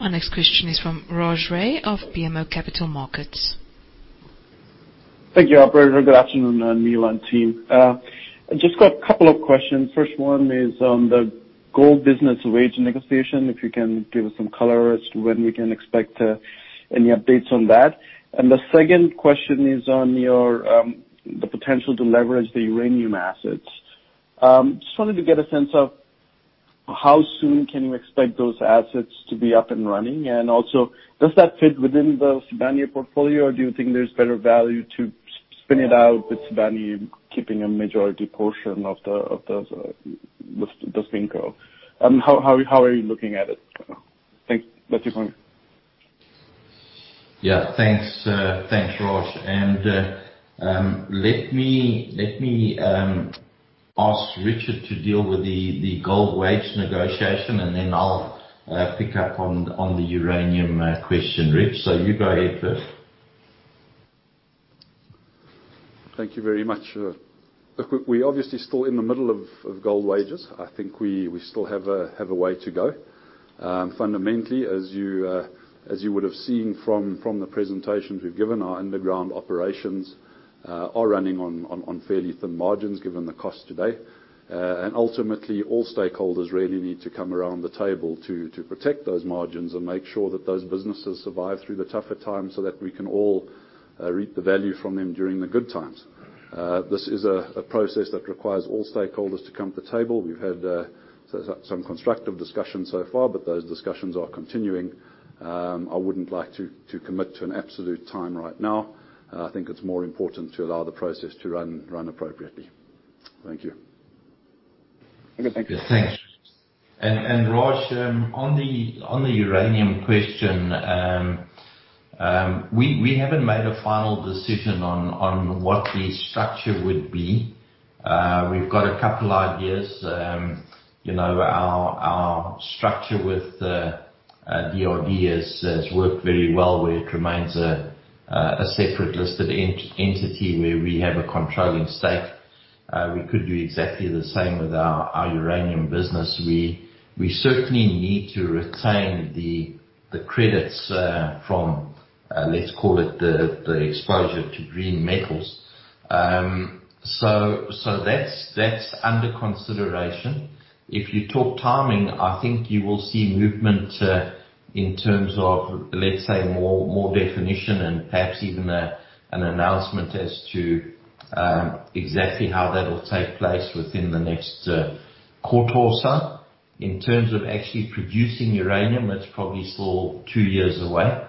Our next question is from Raj Ray of BMO Capital Markets. Thank you, operator. Good afternoon, Neal and team. Just got a couple of questions. First one is on the gold business wage negotiation, if you can give us some color as to when we can expect any updates on that. The second question is on the potential to leverage the uranium assets. Just wanted to get a sense of how soon can we expect those assets to be up and running. Also, does that fit within the Sibanye portfolio, or do you think there's better value to spin it out with Sibanye keeping a majority portion of the thing go? How are you looking at it? Thanks. Back to you. Yeah. Thanks, Raj. Let me ask Richard to deal with the gold wage negotiation, and then I'll pick up on the uranium question. Rich, you go ahead first. Thank you very much. We're obviously still in the middle of gold wages. I think we still have a way to go. Fundamentally, as you would've seen from the presentations we've given, our underground operations are running on fairly thin margins given the cost today. Ultimately, all stakeholders really need to come around the table to protect those margins and make sure that those businesses survive through the tougher times so that we can all reap the value from them during the good times. This is a process that requires all stakeholders to come to the table. We've had some constructive discussions so far, but those discussions are continuing. I wouldn't like to commit to an absolute time right now. I think it's more important to allow the process to run appropriately. Thank you. Okay, thank you. Thanks. Raj, on the uranium question, we haven't made a final decision on what the structure would be. We've got a couple ideas. Our structure with DRDGOLD has worked very well, where it remains a separate listed entity where we have a controlling stake. We could do exactly the same with our uranium business. We certainly need to retain the credits from, let's call it, the exposure to green metals. That's under consideration. If you talk timing, I think you will see movement in terms of, let's say, more definition and perhaps even an announcement as to exactly how that'll take place within the next quarter or so. In terms of actually producing uranium, that's probably still two years away.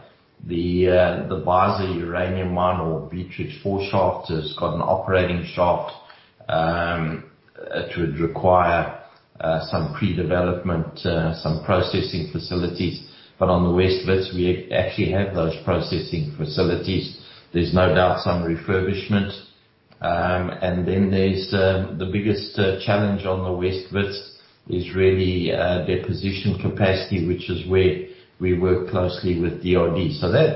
The Beisa uranium mine or Beatrix 4 Shaft has got an operating shaft. It would require some pre-development, some processing facilities. On the West Wits, we actually have those processing facilities. There's no doubt some refurbishment. The biggest challenge on the West Wits is really deposition capacity, which is where we work closely with DOD.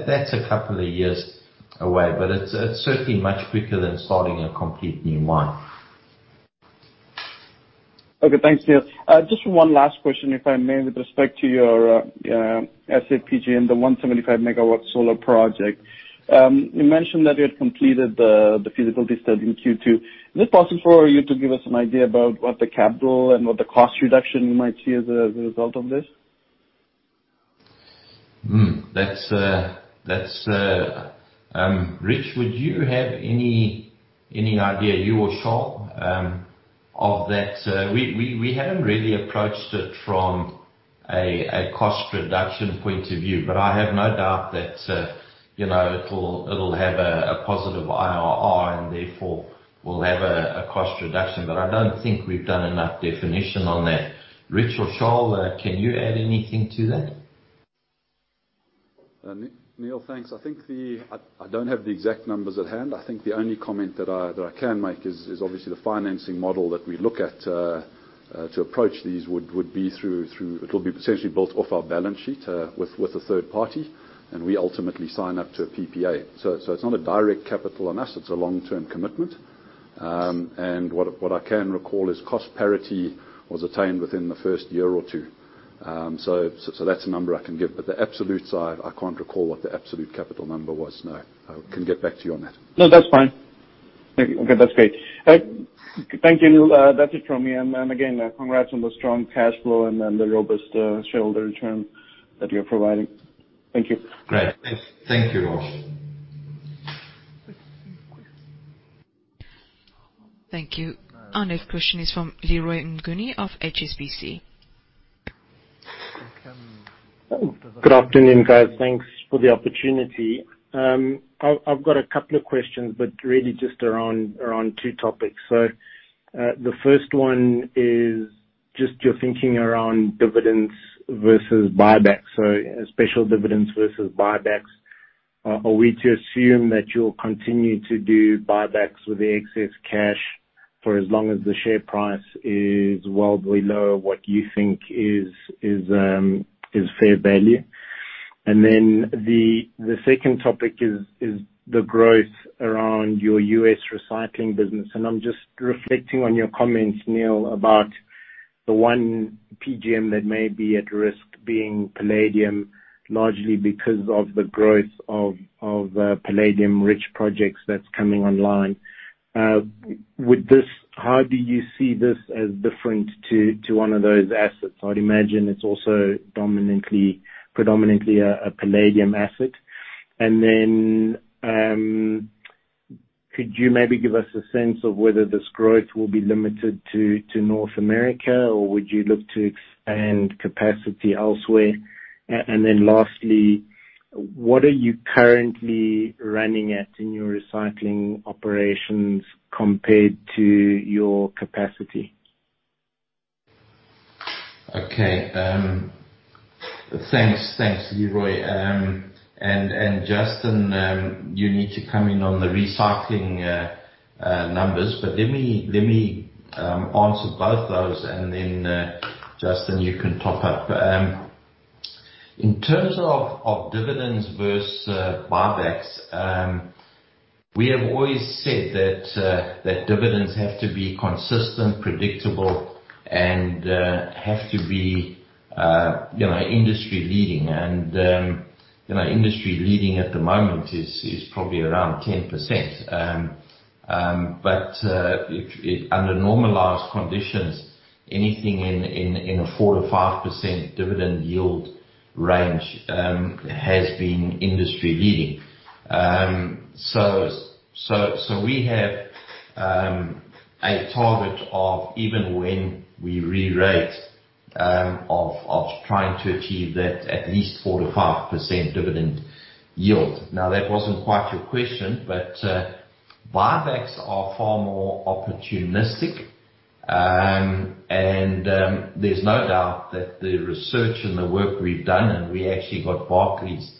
That's a couple of years away, but it's certainly much quicker than starting a complete new mine. Okay. Thanks, Neal. Just one last question, if I may, with respect to your SA PGM and the 175 MW solar project. You mentioned that you had completed the feasibility study in Q2. Is it possible for you to give us an idea about what the capital and what the cost reduction you might see as a result of this? Richard, would you have any idea, you or Charl, of that? We haven't really approached it from a cost reduction point of view. I have no doubt that it'll have a positive IRR and therefore will have a cost reduction. I don't think we've done enough definition on that. Richard or Charl, can you add anything to that? Neal, thanks. I don't have the exact numbers at hand. I think the only comment that I can make is obviously the financing model that we look at to approach these would be through, it'll be essentially built off our balance sheet with a third party, and we ultimately sign up to a PPA. It's not a direct capital on us, it's a long-term commitment. What I can recall is cost parity was attained within the first year or two. That's a number I can give. The absolute side, I can't recall what the absolute capital number was, no. I can get back to you on that. No, that's fine. Okay, that's great. Thank you, Neal. That's it from me. Again, congrats on the strong cash flow and the robust shareholder return that you're providing. Thank you. Great. Thank you, Raj. Thank you. Our next question is from Leroy Mnguni of HSBC. Good afternoon, guys. Thanks for the opportunity. I've got a couple of questions, but really just around two topics. The first one is just your thinking around dividends versus buybacks. Special dividends versus buybacks. Are we to assume that you'll continue to do buybacks with the excess cash for as long as the share price is wildly low of what you think is fair value? The second topic is the growth around your U.S. recycling business. I'm just reflecting on your comments, Neal, about the one PGM that may be at risk being palladium, largely because of the growth of the palladium-rich projects that's coming online. With this, how do you see this as different to one of those assets? I'd imagine it's also predominantly a palladium asset. Could you maybe give us a sense of whether this growth will be limited to North America, or would you look to expand capacity elsewhere? Lastly, what are you currently running at in your recycling operations compared to your capacity? Okay. Thanks, Leroy. Justin, you need to come in on the recycling numbers, but let me answer both those and then, Justin, you can top up. In terms of dividends versus buybacks, we have always said that dividends have to be consistent, predictable, and have to be industry-leading. Industry-leading at the moment is probably around 10%. Under normalized conditions, anything in a 4%-5% dividend yield range has been industry-leading. We have a target of even when we re-rate, of trying to achieve that at least 4%-5% dividend yield. Now, that wasn't quite your question, but buybacks are far more opportunistic. There's no doubt that the research and the work we've done, and we actually got Barclays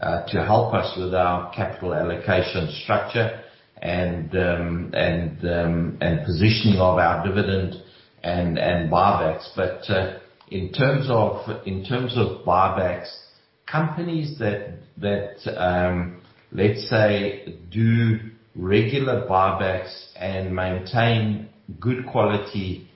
to help us with our capital allocation structure and positioning of our dividend and buybacks. In terms of buybacks, companies that, let's say, do regular buybacks and maintain good quality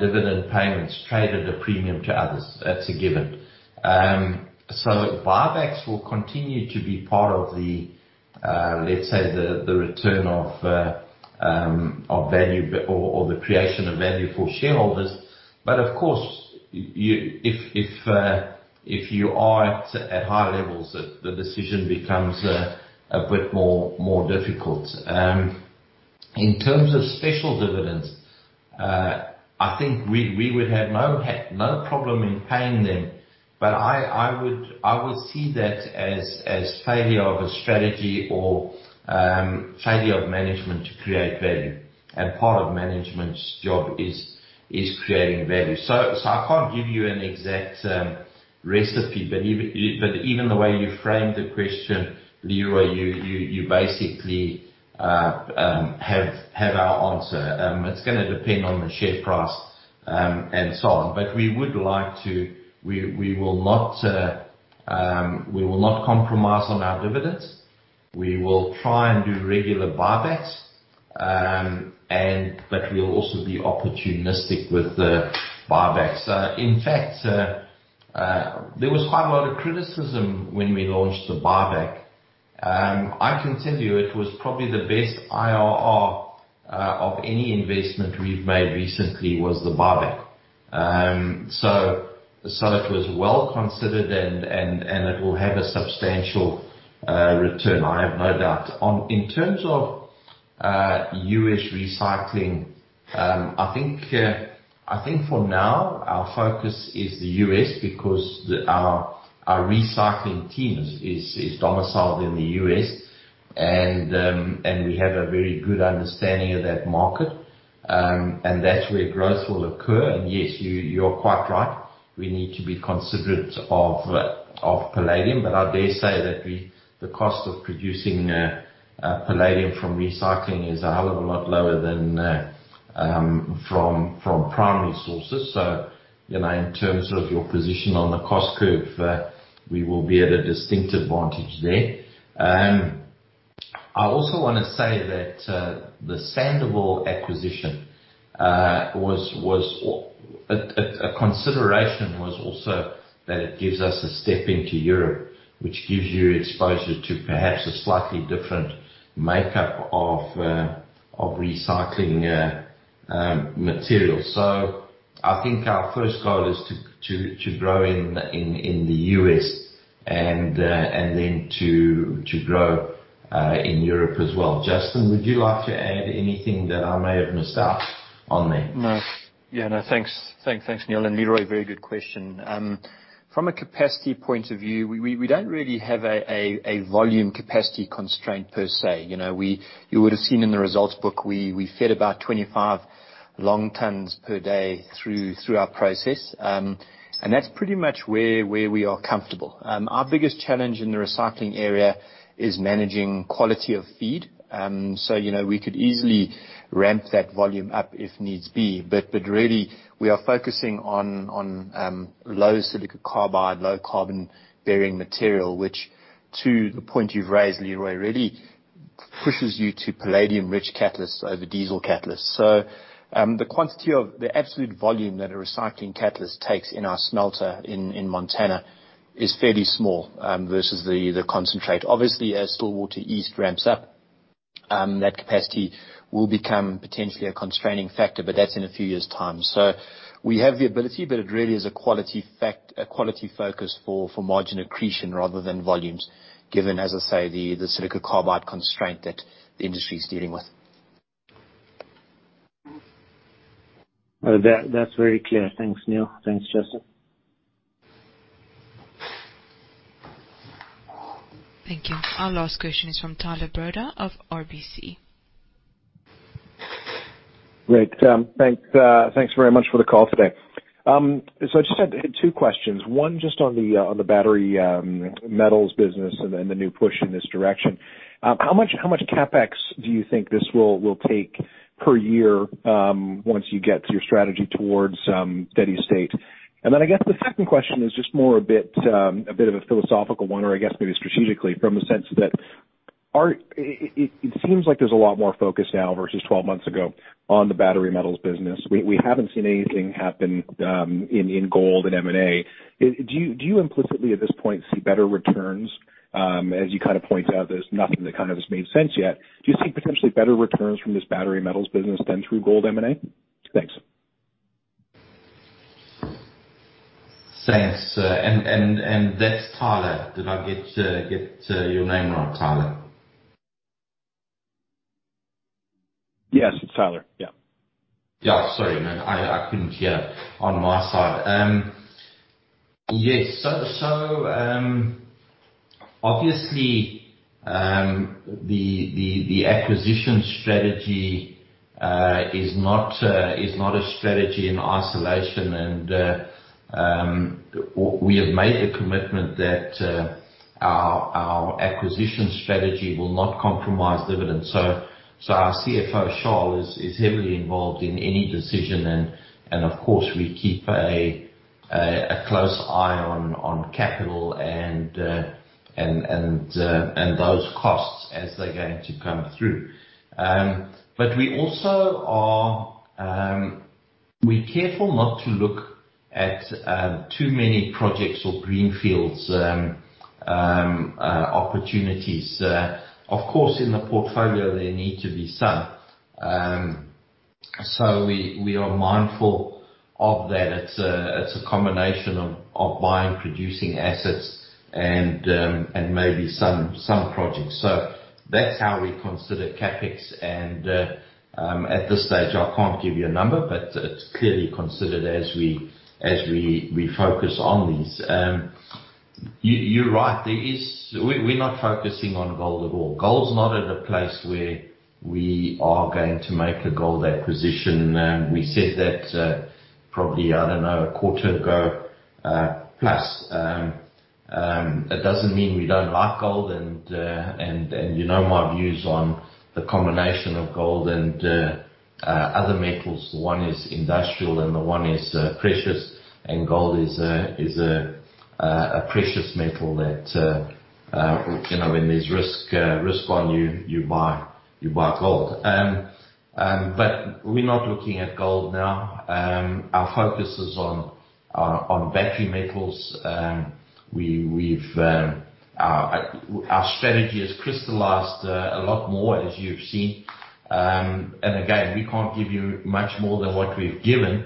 dividend payments trade at a premium to others. That's a given. Buybacks will continue to be part of the, let's say, the return of value or the creation of value for shareholders. Of course, if you are at high levels, the decision becomes a bit more difficult. In terms of special dividends, I think we would have no problem in paying them, but I would see that as failure of a strategy or failure of management to create value. Part of management's job is creating value. I can't give you an exact recipe. Even the way you framed the question, Leroy, you basically have our answer. It's going to depend on the share price and so on. We will not compromise on our dividends. We will try and do regular buybacks, but we'll also be opportunistic with the buybacks. In fact, there was quite a lot of criticism when we launched the buyback. I can tell you it was probably the best IRR of any investment we've made recently, was the buyback. It was well-considered, and it will have a substantial return, I have no doubt. In terms of U.S. recycling, I think for now our focus is the U.S. because our recycling team is domiciled in the U.S., and we have a very good understanding of that market, and that's where growth will occur. Yes, you're quite right. We need to be considerate of palladium. I dare say that the cost of producing palladium from recycling is a hell of a lot lower than from primary sources. In terms of your position on the cost curve, we will be at a distinctive advantage there. I also want to say that the Sandouville acquisition, a consideration was also that it gives us a step into Europe, which gives you exposure to perhaps a slightly different makeup of recycling materials. I think our first goal is to grow in the U.S. and then to grow in Europe as well. Justin, would you like to add anything that I may have missed out on there? No. Yeah, no, thanks, Neal. Leroy, very good question. From a capacity point of view, we don't really have a volume capacity constraint per se. You would have seen in the results book we fed about 25 long tons per day through our process. That's pretty much where we are comfortable. Our biggest challenge in the recycling area is managing quality of feed. We could easily ramp that volume up if needs be. Really, we are focusing on low silicon carbide, low carbon-bearing material, which to the point you've raised, Leroy, really pushes you to palladium-rich catalysts over diesel catalysts. The quantity of the absolute volume that a recycling catalyst takes in our smelter in Montana is fairly small versus the concentrate. Obviously, as Stillwater East ramps up, that capacity will become potentially a constraining factor, that's in a few years' time. We have the ability, but it really is a quality focus for margin accretion rather than volumes, given, as I say, the silicon carbide constraint that the industry is dealing with. That's very clear. Thanks, Neal. Thanks, Justin. Thank you. Our last question is from Tyler Broda of RBC. Great. Thanks very much for the call today. I just had two questions. One, just on the battery metals business and the new push in this direction. How much CapEx do you think this will take per year, once you get your strategy towards steady state? I guess the second question is just more a bit of a philosophical one, or I guess maybe strategically from a sense that it seems like there's a lot more focus now versus 12 months ago on the battery metals business. We haven't seen anything happen in gold and M&A. Do you implicitly, at this point, see better returns? As you pointed out, there's nothing that has made sense yet. Do you see potentially better returns from this battery metals business than through gold M&A? Thanks. Thanks. That's Tyler. Did I get your name right, Tyler? Yes, it's Tyler. Yeah. Yeah. Sorry, man. I couldn't hear on my side. Yes. Obviously, the acquisition strategy is not a strategy in isolation and we have made a commitment that our acquisition strategy will not compromise dividends. Our CFO, Charl, is heavily involved in any decision and of course, we keep a close eye on capital and those costs as they're going to come through. We also are careful not to look at too many projects or green fields opportunities. Of course, in the portfolio there need to be some. We are mindful of that. It's a combination of buying producing assets and maybe some projects. That's how we consider CapEx and at this stage, I can't give you a number, but it's clearly considered as we focus on these. You're right. We're not focusing on gold at all. Gold's not at a place where we are going to make a gold acquisition. We said that probably, I don't know, a quarter ago plus. It doesn't mean we don't like gold and you know my views on the combination of gold and other metals. One is industrial and one is precious, and gold is a precious metal that when there's risk on you buy gold. We're not looking at gold now. Our focus is on battery metals. Our strategy has crystallized a lot more, as you've seen. Again, we can't give you much more than what we've given,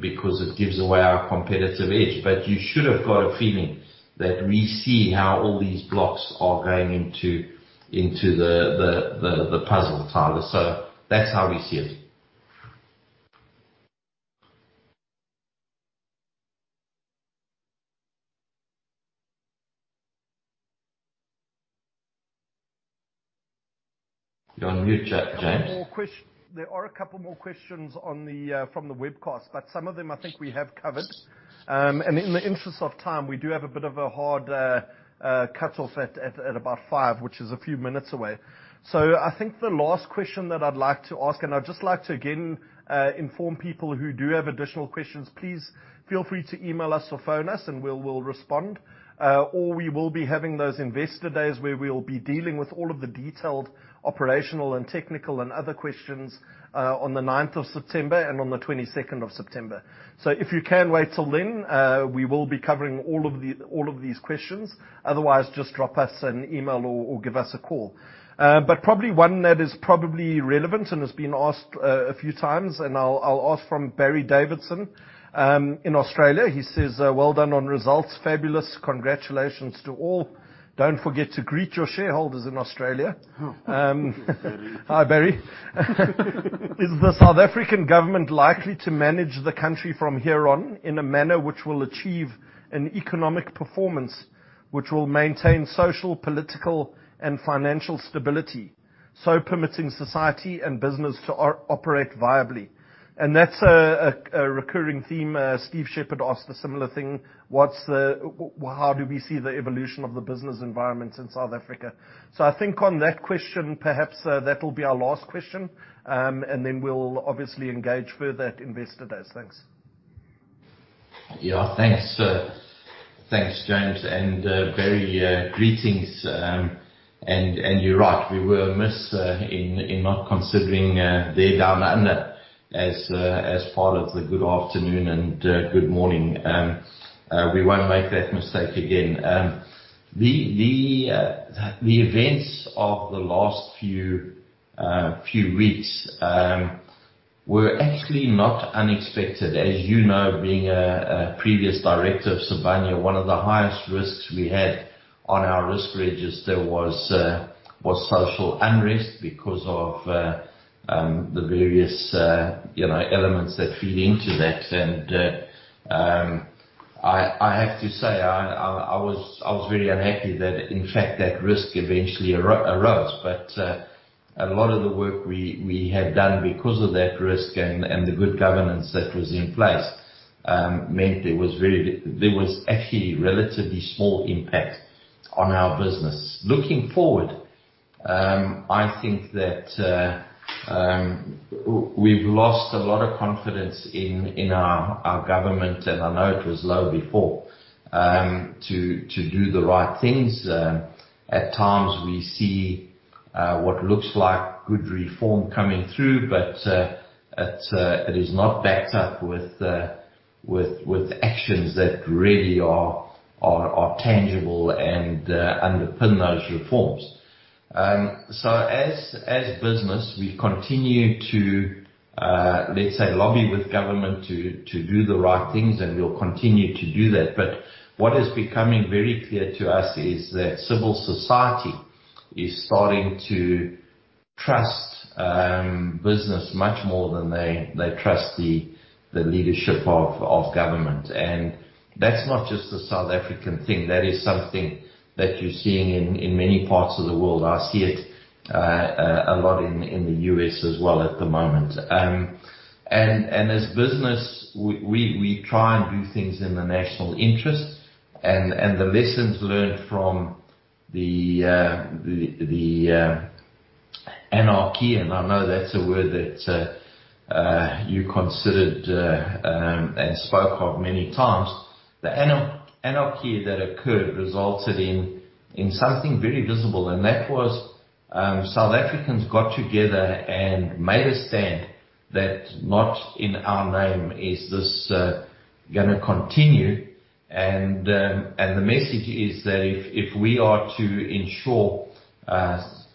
because it gives away our competitive edge. You should have got a feeling that we see how all these blocks are going into the puzzle, Tyler. That's how we see it. You're on mute, James. There are a couple more questions from the webcast, but some of them I think we have covered. In the interest of time, we do have a bit of a hard cut-off at about 5:00, which is a few minutes away. I think the last question that I'd like to ask, and I'd just like to, again, inform people who do have additional questions, please feel free to email us or phone us and we will respond. We will be having those investor days where we'll be dealing with all of the detailed operational and technical and other questions on September 9th and on September 22nd. If you can wait till then, we will be covering all of these questions. Otherwise, just drop us an email or give us a call. Probably one that is probably relevant and has been asked a few times, and I'll ask from Barry Davidson in Australia. He says, "Well done on results. Fabulous. Congratulations to all. Don't forget to greet your shareholders in Australia." Hi, Barry. "Is the South African government likely to manage the country from here on in a manner which will achieve an economic performance which will maintain social, political, and financial stability, so permitting society and business to operate viably?" That's a recurring theme. Steve Shepherd asked a similar thing. How do we see the evolution of the business environment in South Africa? I think on that question, perhaps, that will be our last question, and then we'll obviously engage further at investor days. Thanks. Yeah. Thanks, James. Barry, greetings, and you're right, we were amiss in not considering there Down Under as part of the good afternoon and good morning. We won't make that mistake again. The events of the last few weeks were actually not unexpected. As you know, being a previous director of Sibanye, one of the highest risks we had on our risk register was social unrest because of the various elements that feed into that. I have to say, I was very unhappy that in fact that risk eventually arose. A lot of the work we had done because of that risk and the good governance that was in place meant there was actually relatively small impact on our business. Looking forward, I think that we've lost a lot of confidence in our government, and I know it was low before, to do the right things. At times we see what looks like good reform coming through, but it is not backed up with actions that really are tangible and underpin those reforms. As business, we've continued to, let's say, lobby with government to do the right things, and we'll continue to do that. What is becoming very clear to us is that civil society is starting to trust business much more than they trust the leadership of government. That's not just a South African thing. That is something that you're seeing in many parts of the world. I see it a lot in the U.S. as well at the moment. As business, we try and do things in the national interest. The lessons learned from the anarchy, and I know that's a word that you considered and spoke of many times. The anarchy that occurred resulted in something very visible, and that was South Africans got together and made a stand that not in our name is this gonna continue. The message is that if we are to ensure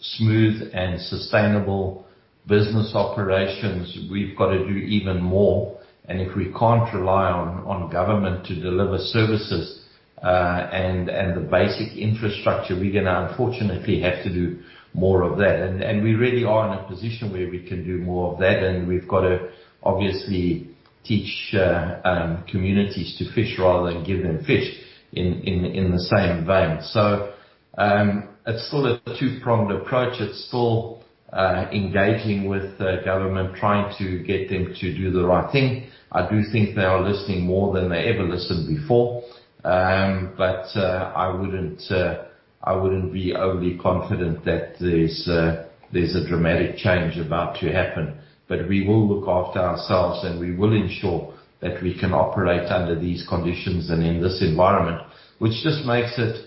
smooth and sustainable business operations, we've got to do even more. If we can't rely on government to deliver services and the basic infrastructure, we're going to unfortunately have to do more of that. We really are in a position where we can do more of that. We've got to obviously teach communities to fish rather than give them fish in the same vein. It's still a two-pronged approach. It's still engaging with government, trying to get them to do the right thing. I do think they are listening more than they ever listened before. I wouldn't be overly confident that there's a dramatic change about to happen. We will look after ourselves, and we will ensure that we can operate under these conditions and in this environment, which just makes it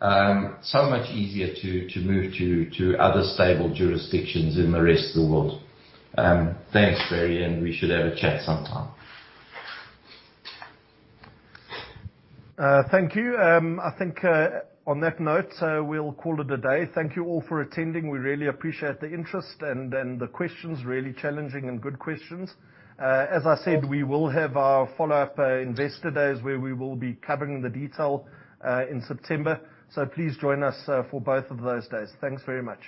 so much easier to move to other stable jurisdictions in the rest of the world. Thanks, Barry, and we should have a chat sometime. Thank you. I think on that note, we'll call it a day. Thank you all for attending. We really appreciate the interest and the questions, really challenging and good questions. As I said, we will have our follow-up Investor Days where we will be covering the detail in September. Please join us for both of those days. Thanks very much.